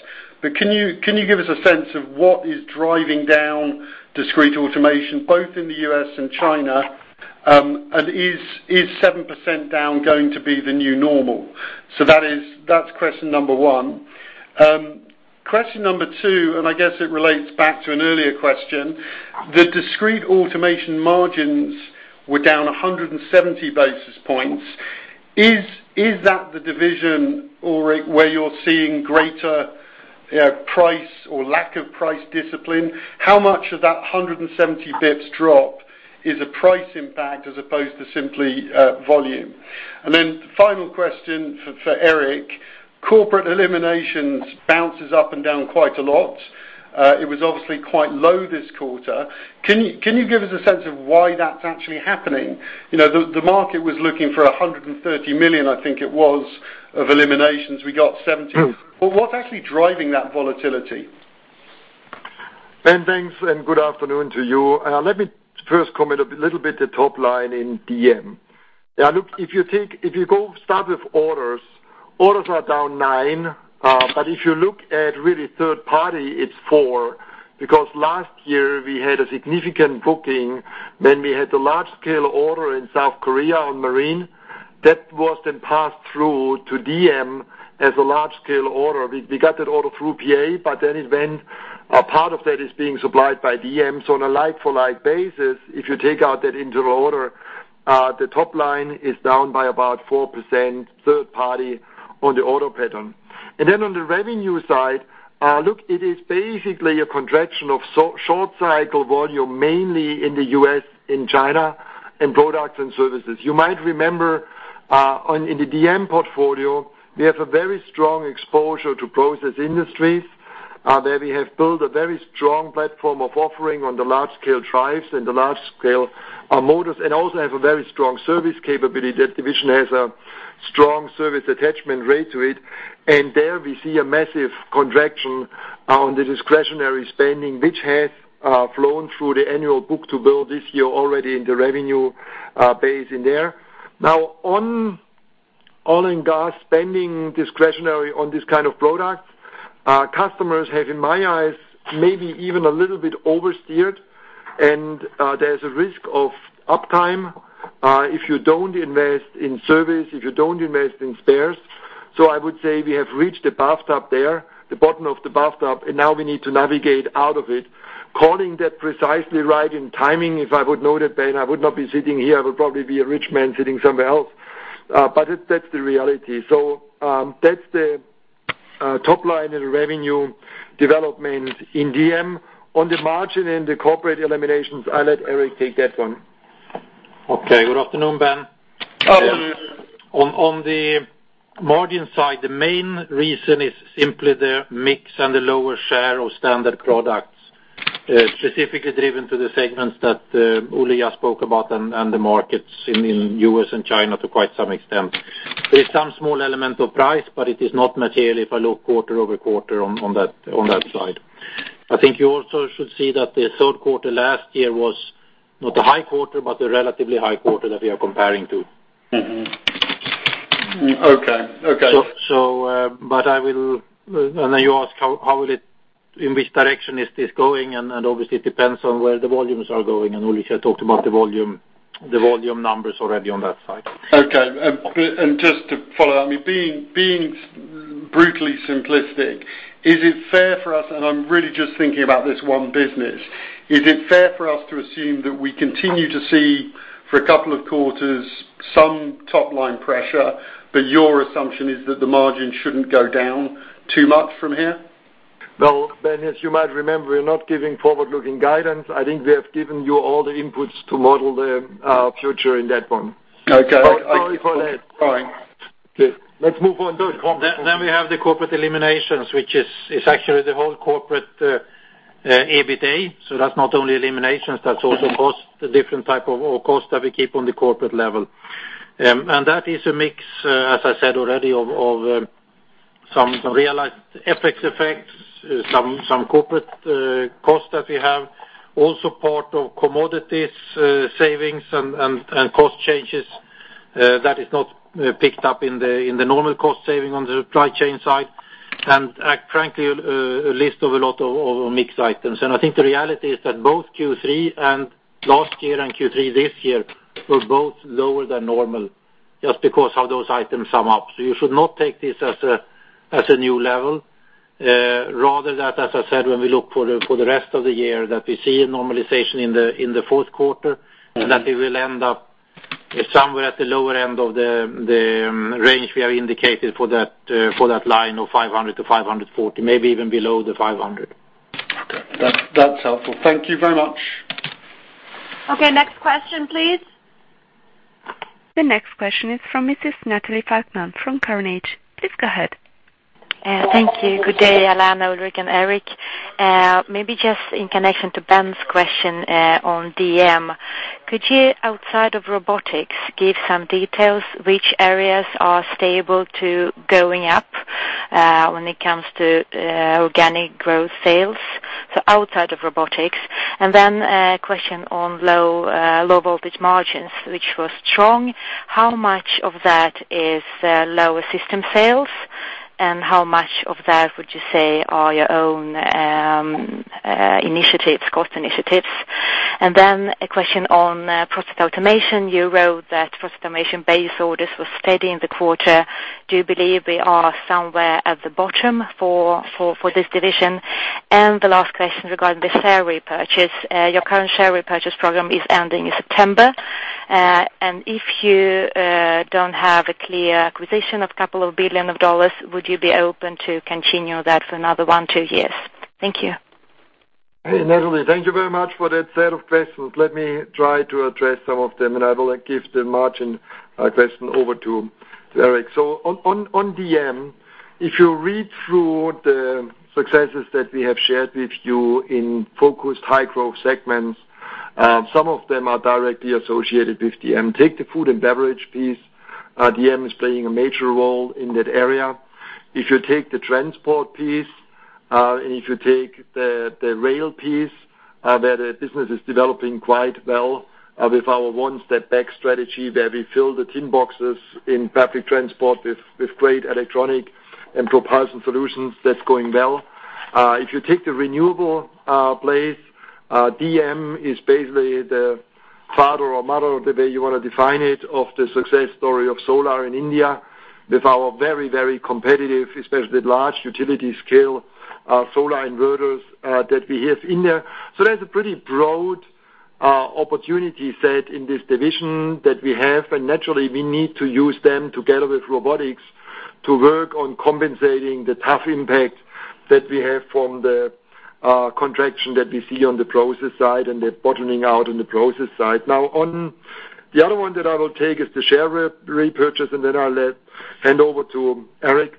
Can you give us a sense of what is driving down Discrete Automation, both in the U.S. and China? Is 7% down going to be the new normal? That's question number one. Question number two, I guess it relates back to an earlier question. The Discrete Automation margins were down 170 basis points. Is that the division, Ulrich, where you're seeing greater price or lack of price discipline? How much of that 170 basis points drop is a price impact as opposed to simply volume? Final question for Eric. Corporate eliminations bounces up and down quite a lot. It was obviously quite low this quarter. Can you give us a sense of why that's actually happening? The market was looking for $130 million, I think it was, of eliminations. We got $70. What's actually driving that volatility? Ben, thanks. Good afternoon to you. Let me first comment a little bit the top line in DM. Look, if you start with orders are down 9%. If you look at really third party, it's 4%, because last year we had a significant booking when we had a large-scale order in South Korea on marine. That was then passed through to DM as a large-scale order. We got that order through PA, a part of that is being supplied by DM. On a like-for-like basis, if you take out that internal order, the top line is down by about 4% third party on the order pattern. On the revenue side, look, it is basically a contraction of short cycle volume, mainly in the U.S., in China, in products and services. You might remember in the DM portfolio, we have a very strong exposure to process industries. There we have built a very strong platform of offering on the large-scale drives and the large-scale motors, and also have a very strong service capability. That division has a strong service attachment rate to it. There we see a massive contraction on the discretionary spending, which has flown through the annual book-to-bill this year already in the revenue base in there. On oil and gas spending discretionary on this kind of product, customers have, in my eyes, maybe even a little bit oversteered, there's a risk of uptime if you don't invest in service, if you don't invest in spares. I would say we have reached the bathtub there, the bottom of the bathtub, now we need to navigate out of it. Calling that precisely right in timing, if I would know that, Ben, I would not be sitting here. I would probably be a rich man sitting somewhere else. That's the reality. Top line and revenue development in DM. On the margin and the corporate eliminations, I'll let Eric take that one. Okay, good afternoon, Ben. Oh. On the margin side, the main reason is simply the mix and the lower share of standard products, specifically driven to the segments that Ulrich just spoke about and the markets in U.S. and China to quite some extent. There is some small element of price, but it is not material if I look quarter-over-quarter on that side. I think you also should see that the third quarter last year was not a high quarter, but a relatively high quarter that we are comparing to. Mm-hmm. Okay. You ask in which direction is this going, obviously, it depends on where the volumes are going, Ulrich talked about the volume numbers already on that side. Okay. Just to follow up, being brutally simplistic, I'm really just thinking about this one business. Is it fair for us to assume that we continue to see, for a couple of quarters, some top-line pressure, but your assumption is that the margin shouldn't go down too much from here? Well, Ben, as you might remember, we're not giving forward-looking guidance. I think we have given you all the inputs to model the future in that one. Okay. Sorry for that. Fine. Good. Let's move on, though. We have the corporate eliminations, which is actually the whole corporate EBITA. That's not only eliminations, that's also the different type of cost that we keep on the corporate level. That is a mix, as I said already, of some realized FX effects, some corporate costs that we have. Also part of commodities savings and cost changes that is not picked up in the normal cost saving on the supply chain side. Frankly, a list of a lot of mixed items. I think the reality is that both Q3 and last year and Q3 this year were both lower than normal, just because how those items sum up. You should not take this as a new level. Rather that, as I said, when we look for the rest of the year, that we see a normalization in the fourth quarter, and that we will end up somewhere at the lower end of the range we have indicated for that line of $500-$540, maybe even below the $500. Okay. That's helpful. Thank you very much. Okay, next question, please. The next question is from Mrs. Natalie Falkman from Carnegie. Please go ahead. Thank you. Good day, Alanna, Ulrich, and Eric. Maybe just in connection to Ben's question on DM. Could you, outside of robotics, give some details which areas are stable to going up when it comes to organic growth sales, so outside of robotics? Then a question on low voltage margins, which were strong. How much of that is lower system sales, and how much of that would you say are your own initiatives, cost initiatives? Then a question on Process Automation. You wrote that Process Automation base orders were steady in the quarter. Do you believe we are somewhere at the bottom for this division? And the last question regarding the share repurchase. Your current share repurchase program is ending in September. If you don't have a clear acquisition of couple of billion of dollars, would you be open to continue that for another one, two years? Thank you. Hey, Natalie. Thank you very much for that set of questions. Let me try to address some of them, I will give the margin question over to Eric. On DM, if you read through the successes that we have shared with you in focused high-growth segments, some of them are directly associated with DM. Take the food and beverage piece. DM is playing a major role in that area. If you take the transport piece, if you take the rail piece, where the business is developing quite well with our one-step back strategy where we fill the tin boxes in public transport with great electronic and propulsion solutions, that's going well. If you take the renewable place, DM is basically the father or mother, the way you want to define it, of the success story of solar in India with our very competitive, especially with large utility scale, solar inverters that we have in there. There's a pretty broad opportunity set in this division that we have. Naturally, we need to use them together with robotics to work on compensating the tough impact that we have from the contraction that we see on the process side and the bottoming out on the process side. On the other one that I will take is the share repurchase, then I'll hand over to Eric.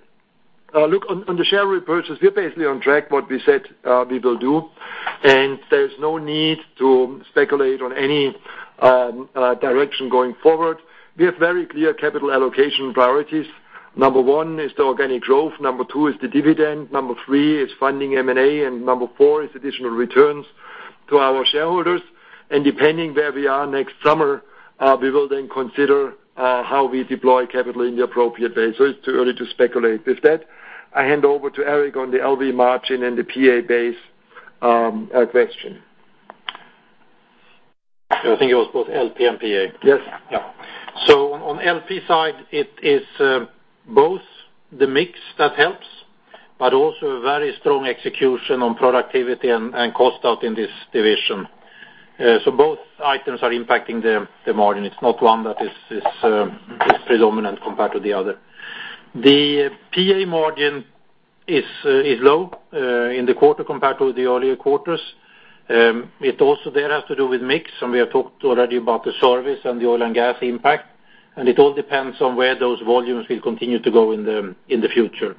Look, on the share repurchase, we are basically on track what we said we will do, there's no need to speculate on any direction going forward. We have very clear capital allocation priorities. Number one is the organic growth. Number two is the dividend. Number three is funding M&A, number four is additional returns to our shareholders. Depending where we are next summer, we will then consider how we deploy capital in the appropriate way. It's too early to speculate. With that, I hand over to Eric on the LV margin and the PA base question. I think it was both LP and PA. Yes. On LP side, it is both the mix that helps, but also a very strong execution on productivity and cost out in this division. Both items are impacting the margin. It's not one that is predominant compared to the other. The PA margin is low in the quarter compared to the earlier quarters. It also there has to do with mix, we have talked already about the service and the oil and gas impact, and it all depends on where those volumes will continue to go in the future.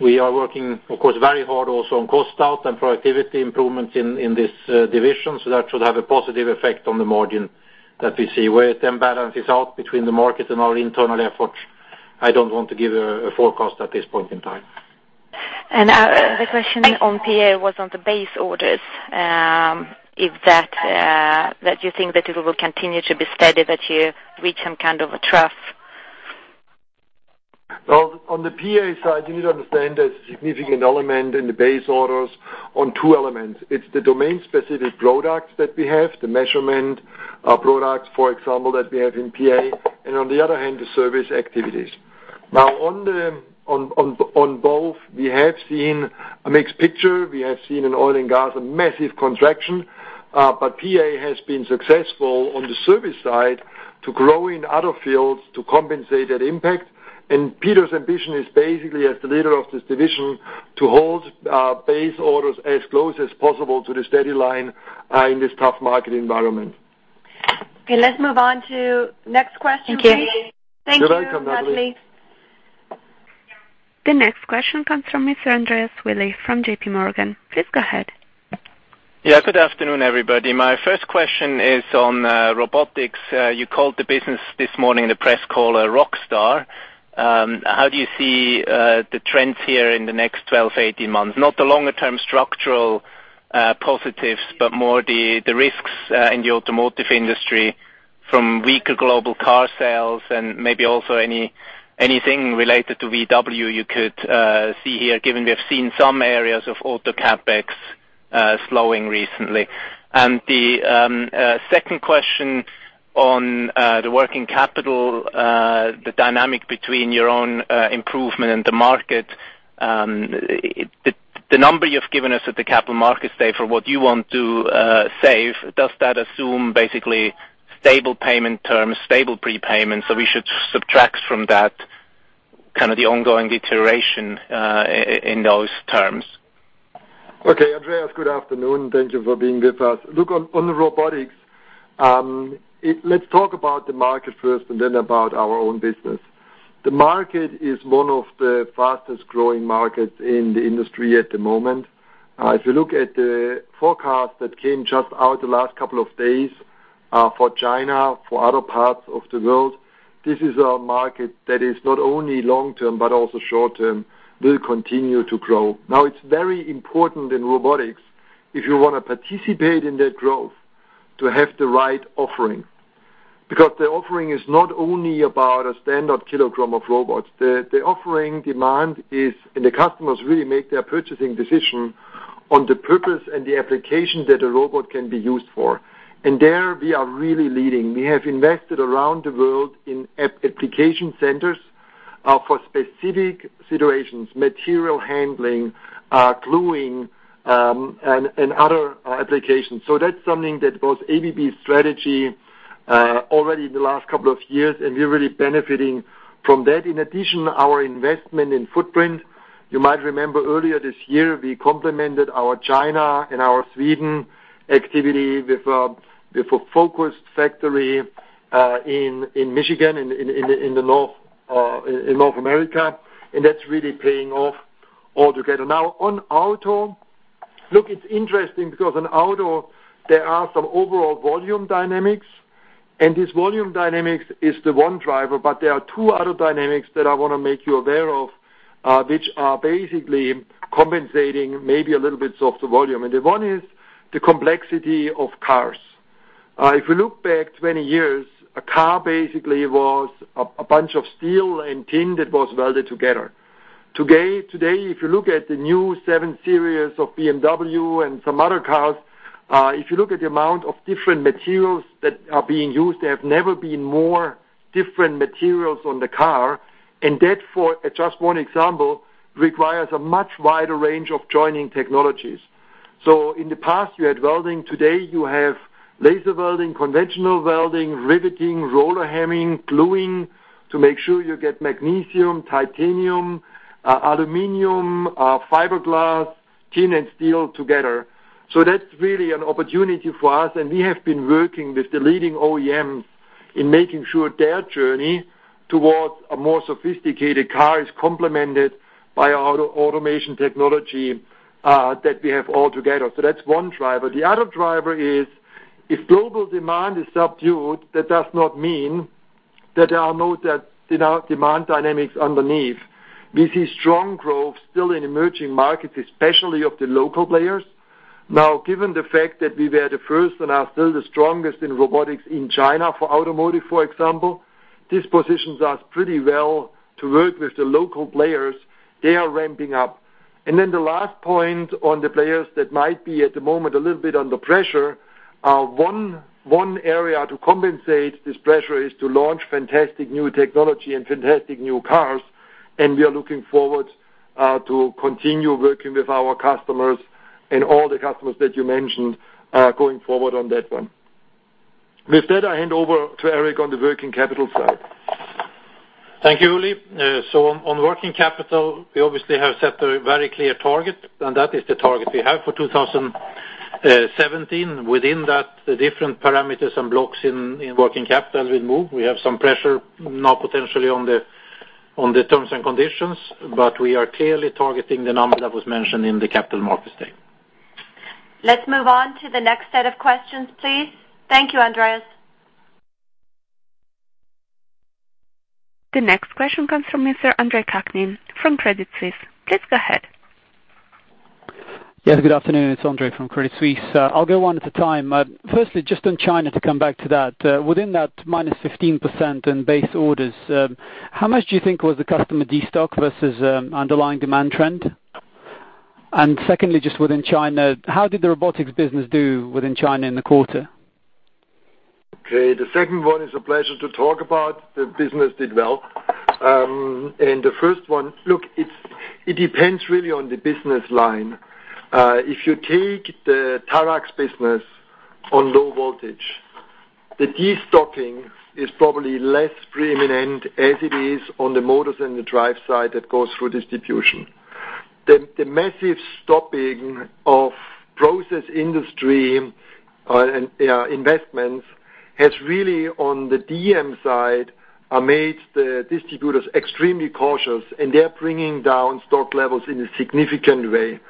We are working, of course, very hard also on cost out and productivity improvements in this division. That should have a positive effect on the margin that we see. Where it then balances out between the market and our internal efforts, I don't want to give a forecast at this point in time. The question on PA was on the base orders. That you think that it will continue to be steady, that you reach some kind of a trough? On the PA side, you need to understand there's a significant element in the base orders on two elements. It's the domain-specific products that we have, the measurement products, for example, that we have in PA. On the other hand, the service activities. Now on both, we have seen a mixed picture. We have seen in oil and gas a massive contraction. PA has been successful on the service side to grow in other fields to compensate that impact. Peter's ambition is basically as the leader of this division, to hold base orders as close as possible to the steady line in this tough market environment. Okay, let's move on to next question, please. Thank you. You're welcome. Thank you, Natalie. The next question comes from Mr. Andreas Willi from J.P. Morgan. Please go ahead. Yeah. Good afternoon, everybody. My first question is on robotics. You called the business this morning in the press call a rockstar. How do you see the trends here in the next 12 to 18 months? Not the longer-term structural positives, but more the risks in the automotive industry from weaker global car sales and maybe also anything related to Volkswagen you could see here, given we have seen some areas of auto CapEx slowing recently. The second question on the working capital, the dynamic between your own improvement and the market. The number you've given us at the Capital Markets Day for what you want to save, does that assume basically stable payment terms, stable prepayments, so we should subtract from that kind of the ongoing deterioration in those terms? Okay, Andreas, good afternoon. Thank you for being with us. Look on the robotics. Let's talk about the market first and then about our own business. The market is one of the fastest-growing markets in the industry at the moment. If you look at the forecast that came just out the last couple of days for China, for other parts of the world, this is a market that is not only long-term, but also short-term, will continue to grow. Now, it's very important in robotics if you want to participate in that growth to have the right offering, because the offering is not only about a standard kilogram of robots. The offering demand is, and the customers really make their purchasing decision on the purpose and the application that a robot can be used for. There we are really leading. We have invested around the world in application centers for specific situations, material handling, gluing, and other applications. That's something that was ABB's strategy already in the last couple of years, and we're really benefiting from that. In addition, our investment in footprint. You might remember earlier this year, we complemented our China and our Sweden activity with a focused factory in Michigan, in North America. That's really paying off altogether. Now on auto. Look, it's interesting because in auto, there are some overall volume dynamics, and this volume dynamics is the one driver, but there are two other dynamics that I want to make you aware of, which are basically compensating maybe a little bit of the volume. One is the complexity of cars. If we look back 20 years, a car basically was a bunch of steel and tin that was welded together. Today, if you look at the new 7 Series of BMW and some other cars, if you look at the amount of different materials that are being used, there have never been more different materials on the car. That, for just one example, requires a much wider range of joining technologies. In the past, you had welding. Today you have laser welding, conventional welding, riveting, roller hemming, gluing to make sure you get magnesium, titanium, aluminum, fiberglass, tin, and steel together. That's really an opportunity for us, and we have been working with the leading OEMs in making sure their journey towards a more sophisticated car is complemented by our automation technology that we have all together. That's one driver. The other driver is if global demand is subdued, that does not mean that there are no demand dynamics underneath. We see strong growth still in emerging markets, especially of the local players. Now, given the fact that we were the first and are still the strongest in robotics in China for automotive, for example, this positions us pretty well to work with the local players. They are ramping up. Then the last point on the players that might be at the moment a little bit under pressure. One area to compensate this pressure is to launch fantastic new technology and fantastic new cars. We are looking forward to continue working with our customers and all the customers that you mentioned, going forward on that one. With that, I hand over to Eric on the working capital side. Thank you, Uli. On working capital, we obviously have set a very clear target, and that is the target we have for 2017. Within that, the different parameters and blocks in working capital will move. We have some pressure now potentially on the terms and conditions, but we are clearly targeting the number that was mentioned in the Capital Markets Day. Let's move on to the next set of questions, please. Thank you, Andreas Willi. The next question comes from Mr. Andre Kukhnin from Credit Suisse. Please go ahead. Yes, good afternoon. It's Andre Kukhnin from Credit Suisse. I'll go one at a time. Firstly, just on China, to come back to that. Within that -15% in base orders, how much do you think was the customer de-stock versus underlying demand trend? Secondly, just within China, how did the robotics business do within China in the quarter? Okay. The second one is a pleasure to talk about. The business did well. The first one, look, it depends really on the business line. If you take the Tmax business on low voltage, the de-stocking is probably less preeminent as it is on the motors and the drive side that goes through distribution. The massive stopping of process industry and investments has really, on the DM side, made the distributors extremely cautious, and they're bringing down stock levels in a significant way.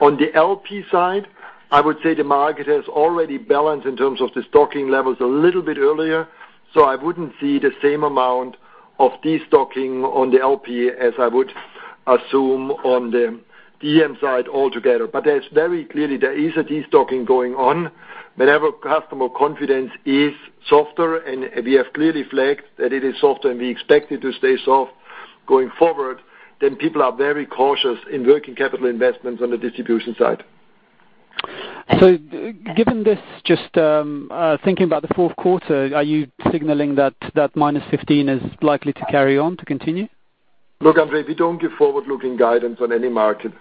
On the LP side, I would say the market has already balanced in terms of the stocking levels a little bit earlier, so I wouldn't see the same amount of de-stocking on the LP as I would assume on the DM side altogether. Very clearly, there is a de-stocking going on. Whenever customer confidence is softer, we have clearly flagged that it is soft and we expect it to stay soft going forward, then people are very cautious in working capital investments on the distribution side. Given this, just thinking about the fourth quarter, are you signaling that that -15 is likely to carry on, to continue? Look, Andre, we don't give forward-looking guidance on any market.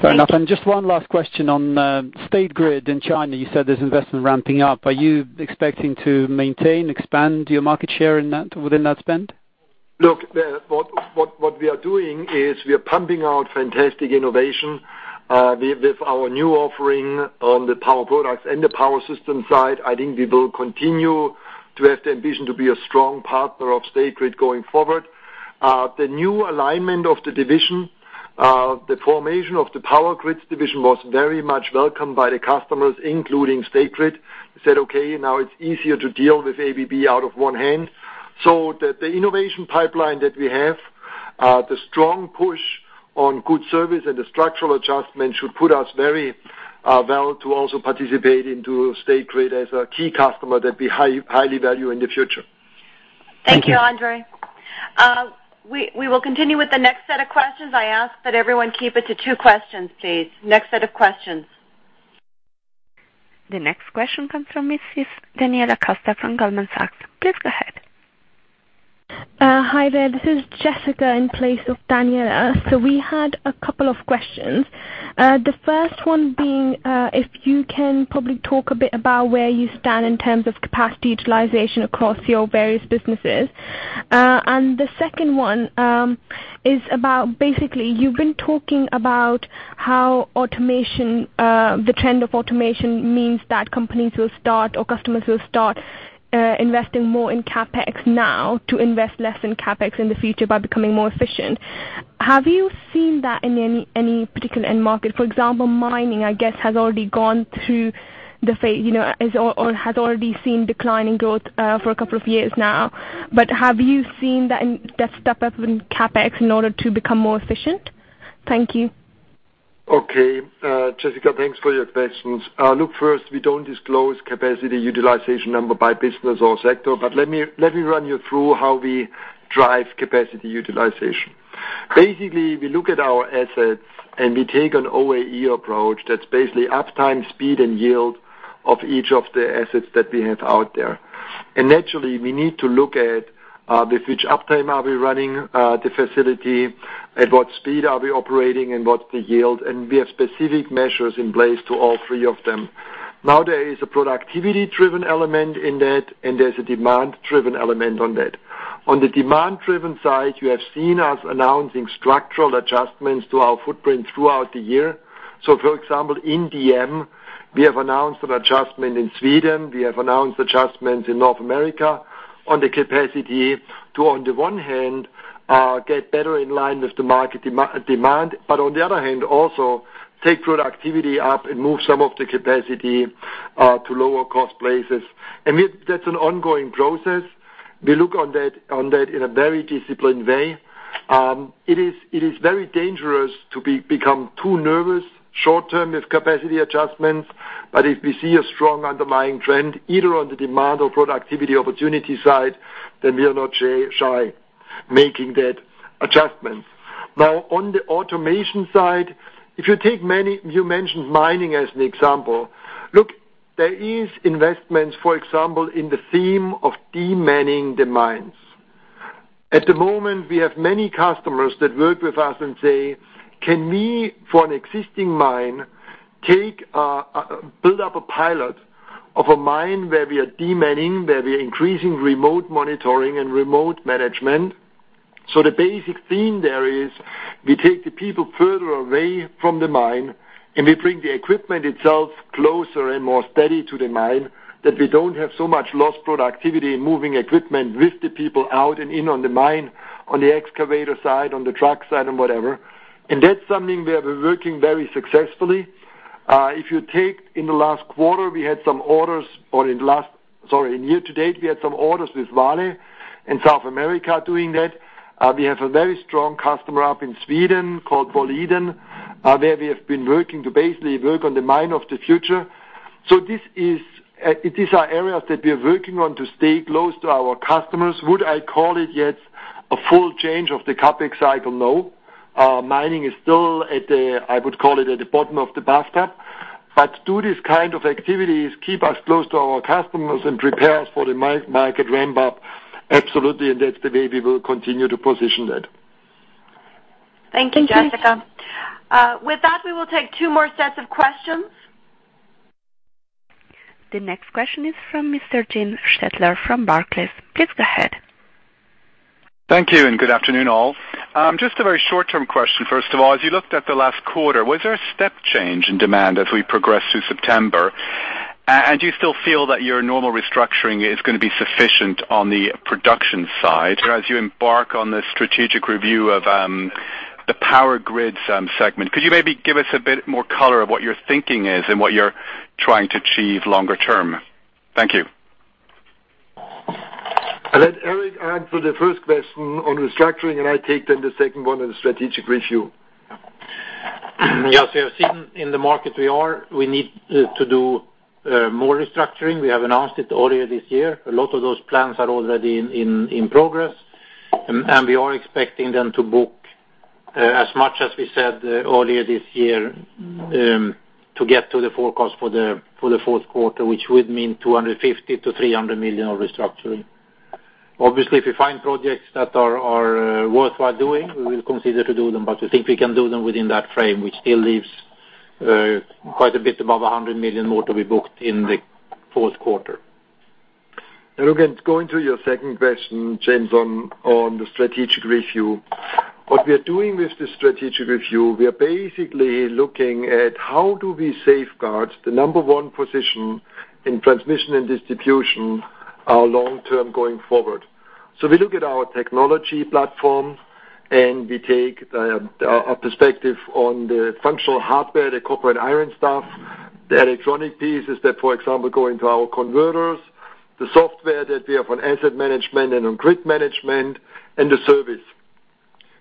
Fair enough. Just one last question on State Grid in China. You said there's investment ramping up. Are you expecting to maintain, expand your market share within that spend? Look, what we are doing is we are pumping out fantastic innovation. With our new offering on the Power Products and the Power Systems side, I think we will continue to have the ambition to be a strong partner of State Grid going forward. The new alignment of the division, the formation of the Power Grids division was very much welcomed by the customers, including State Grid. They said, "Okay, now it's easier to deal with ABB out of one hand." The innovation pipeline that we have, the strong push on good service and the structural adjustment should put us very well to also participate into State Grid as a key customer that we highly value in the future. Thank you, Andre. We will continue with the next set of questions. I ask that everyone keep it to two questions, please. Next set of questions. The next question comes from Mrs. Daniela Costa from Goldman Sachs. Please go ahead. Hi there. This is Jessica in place of Daniela. We had a couple of questions. The first one being, if you can probably talk a bit about where you stand in terms of capacity utilization across your various businesses. The second one is about, basically, you've been talking about how the trend of automation means that companies will start or customers will start investing more in CapEx now to invest less in CapEx in the future by becoming more efficient. Have you seen that in any particular end market? For example, mining, I guess, has already gone through the phase or has already seen declining growth for a couple of years now. Have you seen that step up in CapEx in order to become more efficient? Thank you. Jessica, thanks for your questions. Look, first, we don't disclose capacity utilization number by business or sector, but let me run you through how we drive capacity utilization. Basically, we look at our assets and we take an OEE approach that's basically uptime, speed, and yield of each of the assets that we have out there. Naturally, we need to look at with which uptime are we running the facility, at what speed are we operating, and what's the yield, and we have specific measures in place to all three of them. There is a productivity-driven element in that, and there's a demand-driven element on that. On the demand-driven side, you have seen us announcing structural adjustments to our footprint throughout the year. For example, in DM, we have announced an adjustment in Sweden. We have announced adjustments in North America on the capacity to, on the one hand, get better in line with the market demand, but on the other hand, also take productivity up and move some of the capacity to lower cost places. That's an ongoing process. We look on that in a very disciplined way. It is very dangerous to become too nervous short term with capacity adjustments. If we see a strong underlying trend, either on the demand or productivity opportunity side, then we are not shy making that adjustment. On the automation side, if you take You mentioned mining as an example. Look, there is investments, for example, in the theme of de-manning the mines. At the moment, we have many customers that work with us and say, "Can we, for an existing mine, build up a pilot of a mine where we are de-manning, where we're increasing remote monitoring and remote management?" The basic theme there is we take the people further away from the mine, and we bring the equipment itself closer and more steady to the mine, that we don't have so much lost productivity in moving equipment with the people out and in on the mine, on the excavator side, on the truck side, and whatever. That's something we have been working very successfully. If you take in the last quarter, in year to date, we had some orders with Vale in South America doing that. We have a very strong customer up in Sweden called Boliden, where we have been working to basically work on the mine of the future. These are areas that we are working on to stay close to our customers. Would I call it yet a full change of the CapEx cycle? No. Mining is still at the, I would call it at the bottom of the bathtub. Do this kind of activities, keep us close to our customers and prepare us for the market ramp-up. Absolutely, that's the way we will continue to position that. Thank you, Jessica. With that, we will take two more sets of questions. The next question is from Mr. Jim Stettler from Barclays. Please go ahead. Thank you. Good afternoon, all. Just a very short-term question, first of all. As you looked at the last quarter, was there a step change in demand as we progress through September? Do you still feel that your normal restructuring is going to be sufficient on the production side? As you embark on the strategic review of the power grids segment, could you maybe give us a bit more color of what your thinking is and what you're trying to achieve longer term? Thank you. I let Eric answer the first question on restructuring, and I take then the second one on the strategic review. Yes. As we have seen in the market, we need to do more restructuring. We have announced it earlier this year. A lot of those plans are already in progress. We are expecting them to book as much as we said earlier this year to get to the forecast for the fourth quarter, which would mean $250 million-$300 million of restructuring. Obviously, if we find projects that are worthwhile doing, we will consider to do them, but we think we can do them within that frame, which still leaves quite a bit above $100 million more to be booked in the fourth quarter. Again, going to your second question, James, on the strategic review. What we are doing with the strategic review, we are basically looking at how do we safeguard the number 1 position in transmission and distribution long-term going forward. We look at our technology platform, and we take a perspective on the functional hardware, the copper and iron stuff, the electronic pieces that, for example, go into our converters, the software that we have on asset management and on grid management, and the service.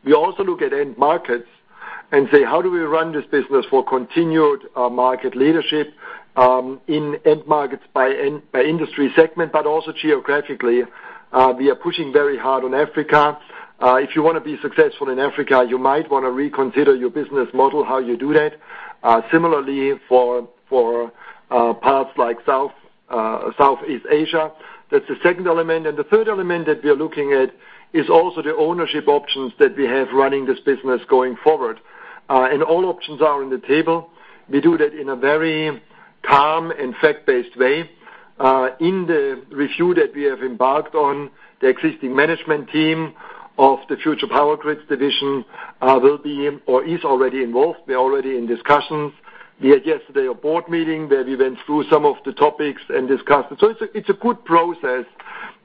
We also look at end markets and say, "How do we run this business for continued market leadership in end markets by industry segment but also geographically?" We are pushing very hard on Africa. If you want to be successful in Africa, you might want to reconsider your business model, how you do that. Similarly, for parts like Southeast Asia. That's the second element. The third element that we are looking at is also the ownership options that we have running this business going forward. All options are on the table. We do that in a very calm and fact-based way. In the review that we have embarked on, the existing management team of the future power grids division will be or is already involved. We're already in discussions. We had yesterday a board meeting where we went through some of the topics and discussed it. It's a good process,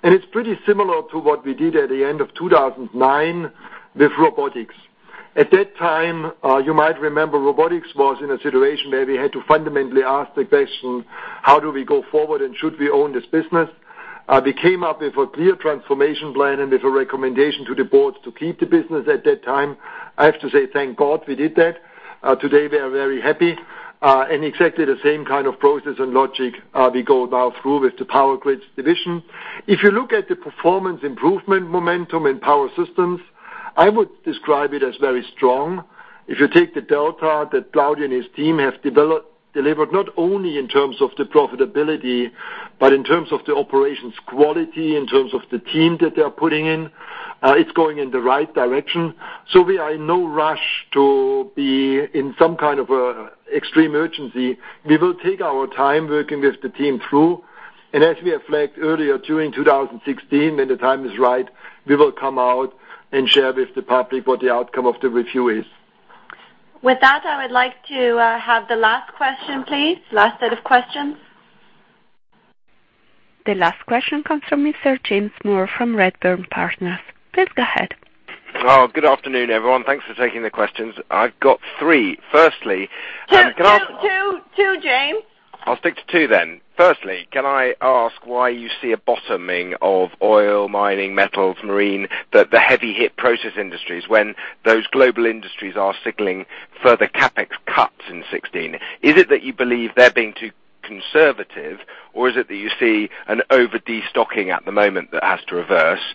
and it's pretty similar to what we did at the end of 2009 with robotics. At that time, you might remember, robotics was in a situation where we had to fundamentally ask the question: How do we go forward, and should we own this business? We came up with a clear transformation plan and with a recommendation to the board to keep the business at that time. I have to say thank God we did that. Today, we are very happy. Exactly the same kind of process and logic we go now through with the power grids division. If you look at the performance improvement momentum in Power Systems, I would describe it as very strong. If you take the delta that Claudio and his team have delivered, not only in terms of the profitability but in terms of the operations quality, in terms of the team that they are putting in, it's going in the right direction. We are in no rush to be in some kind of extreme urgency. We will take our time working with the team through. As we have flagged earlier, during 2016, when the time is right, we will come out and share with the public what the outcome of the review is. With that, I would like to have the last question, please. Last set of questions. The last question comes from Mr. James Moore from Redburn Partners. Please go ahead. Good afternoon, everyone. Thanks for taking the questions. I've got three. Firstly, can I ask. Two, James. I'll stick to two then. Firstly, can I ask why you see a bottoming of oil, mining, metals, marine, the heavy hit process industries, when those global industries are signaling further CapEx cuts in 2016? Is it that you believe they're being too conservative, or is it that you see an over-destocking at the moment that has to reverse?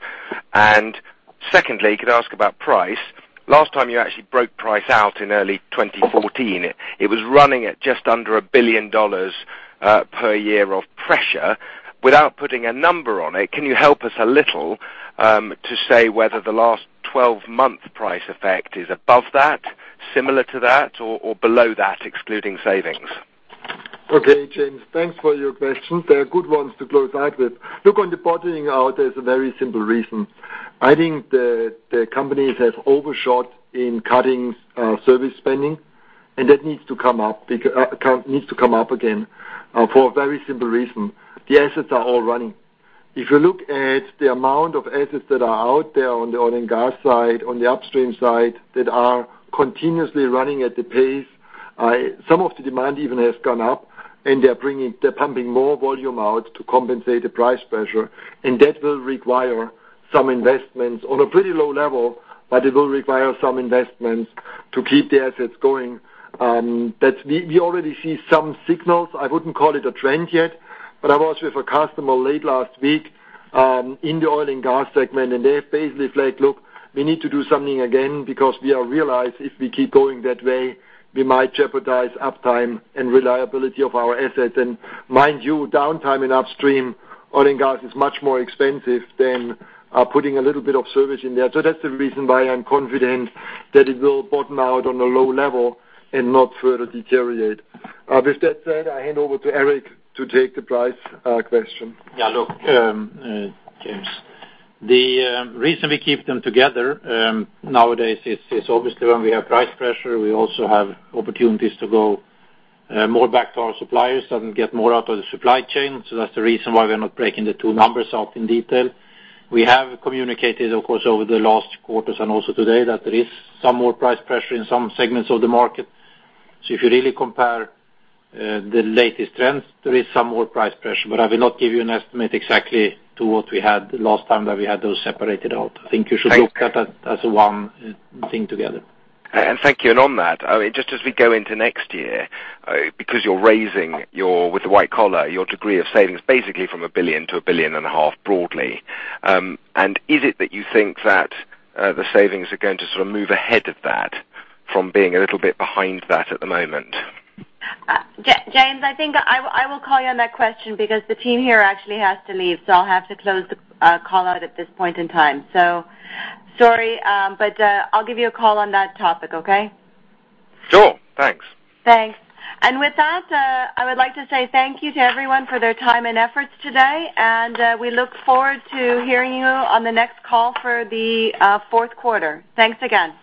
Secondly, could I ask about price? Last time you actually broke price out in early 2014, it was running at just under $1 billion per year of pressure. Without putting a number on it, can you help us a little to say whether the last 12 months price effect is above that, similar to that, or below that, excluding savings? Okay, James, thanks for your questions. They are good ones to close out with. Look, on the bottoming out, there's a very simple reason. I think the companies have overshot in cutting service spending, and that needs to come up again, for a very simple reason. The assets are all running. If you look at the amount of assets that are out there on the oil and gas side, on the upstream side, that are continuously running at the pace, some of the demand even has gone up, and they're pumping more volume out to compensate the price pressure, and that will require some investments. On a pretty low level, but it will require some investments to keep the assets going. We already see some signals. I wouldn't call it a trend yet, but I was with a customer late last week, in the oil and gas segment, and they're basically like, "Look, we need to do something again because we realize if we keep going that way, we might jeopardize uptime and reliability of our assets." Mind you, downtime in upstream oil and gas is much more expensive than putting a little bit of service in there. That's the reason why I'm confident that it will bottom out on a low level and not further deteriorate. With that said, I hand over to Eric to take the price question. Yeah. Look, James. The reason we keep them together nowadays is obviously when we have price pressure, we also have opportunities to go more back to our suppliers and get more out of the supply chain. That's the reason why we're not breaking the two numbers out in detail. We have communicated, of course, over the last quarters and also today, that there is some more price pressure in some segments of the market. If you really compare the latest trends, there is some more price pressure, but I will not give you an estimate exactly to what we had the last time that we had those separated out. I think you should- Thanks look at that as one thing together. Thank you. On that, just as we go into next year, because you're raising, with the white collar, your degree of savings basically from $1 billion to $1.5 billion broadly. Is it that you think that the savings are going to sort of move ahead of that from being a little bit behind that at the moment? James, I think I will call you on that question because the team here actually has to leave, I'll have to close the call out at this point in time. Sorry, but I'll give you a call on that topic, okay? Sure. Thanks. Thanks. With that, I would like to say thank you to everyone for their time and efforts today, we look forward to hearing you on the next call for the fourth quarter. Thanks again.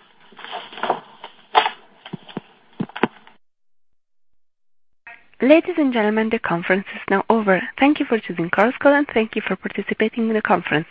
Ladies and gentlemen, the conference is now over. Thank you for choosing Chorus Call, thank you for participating in the conference.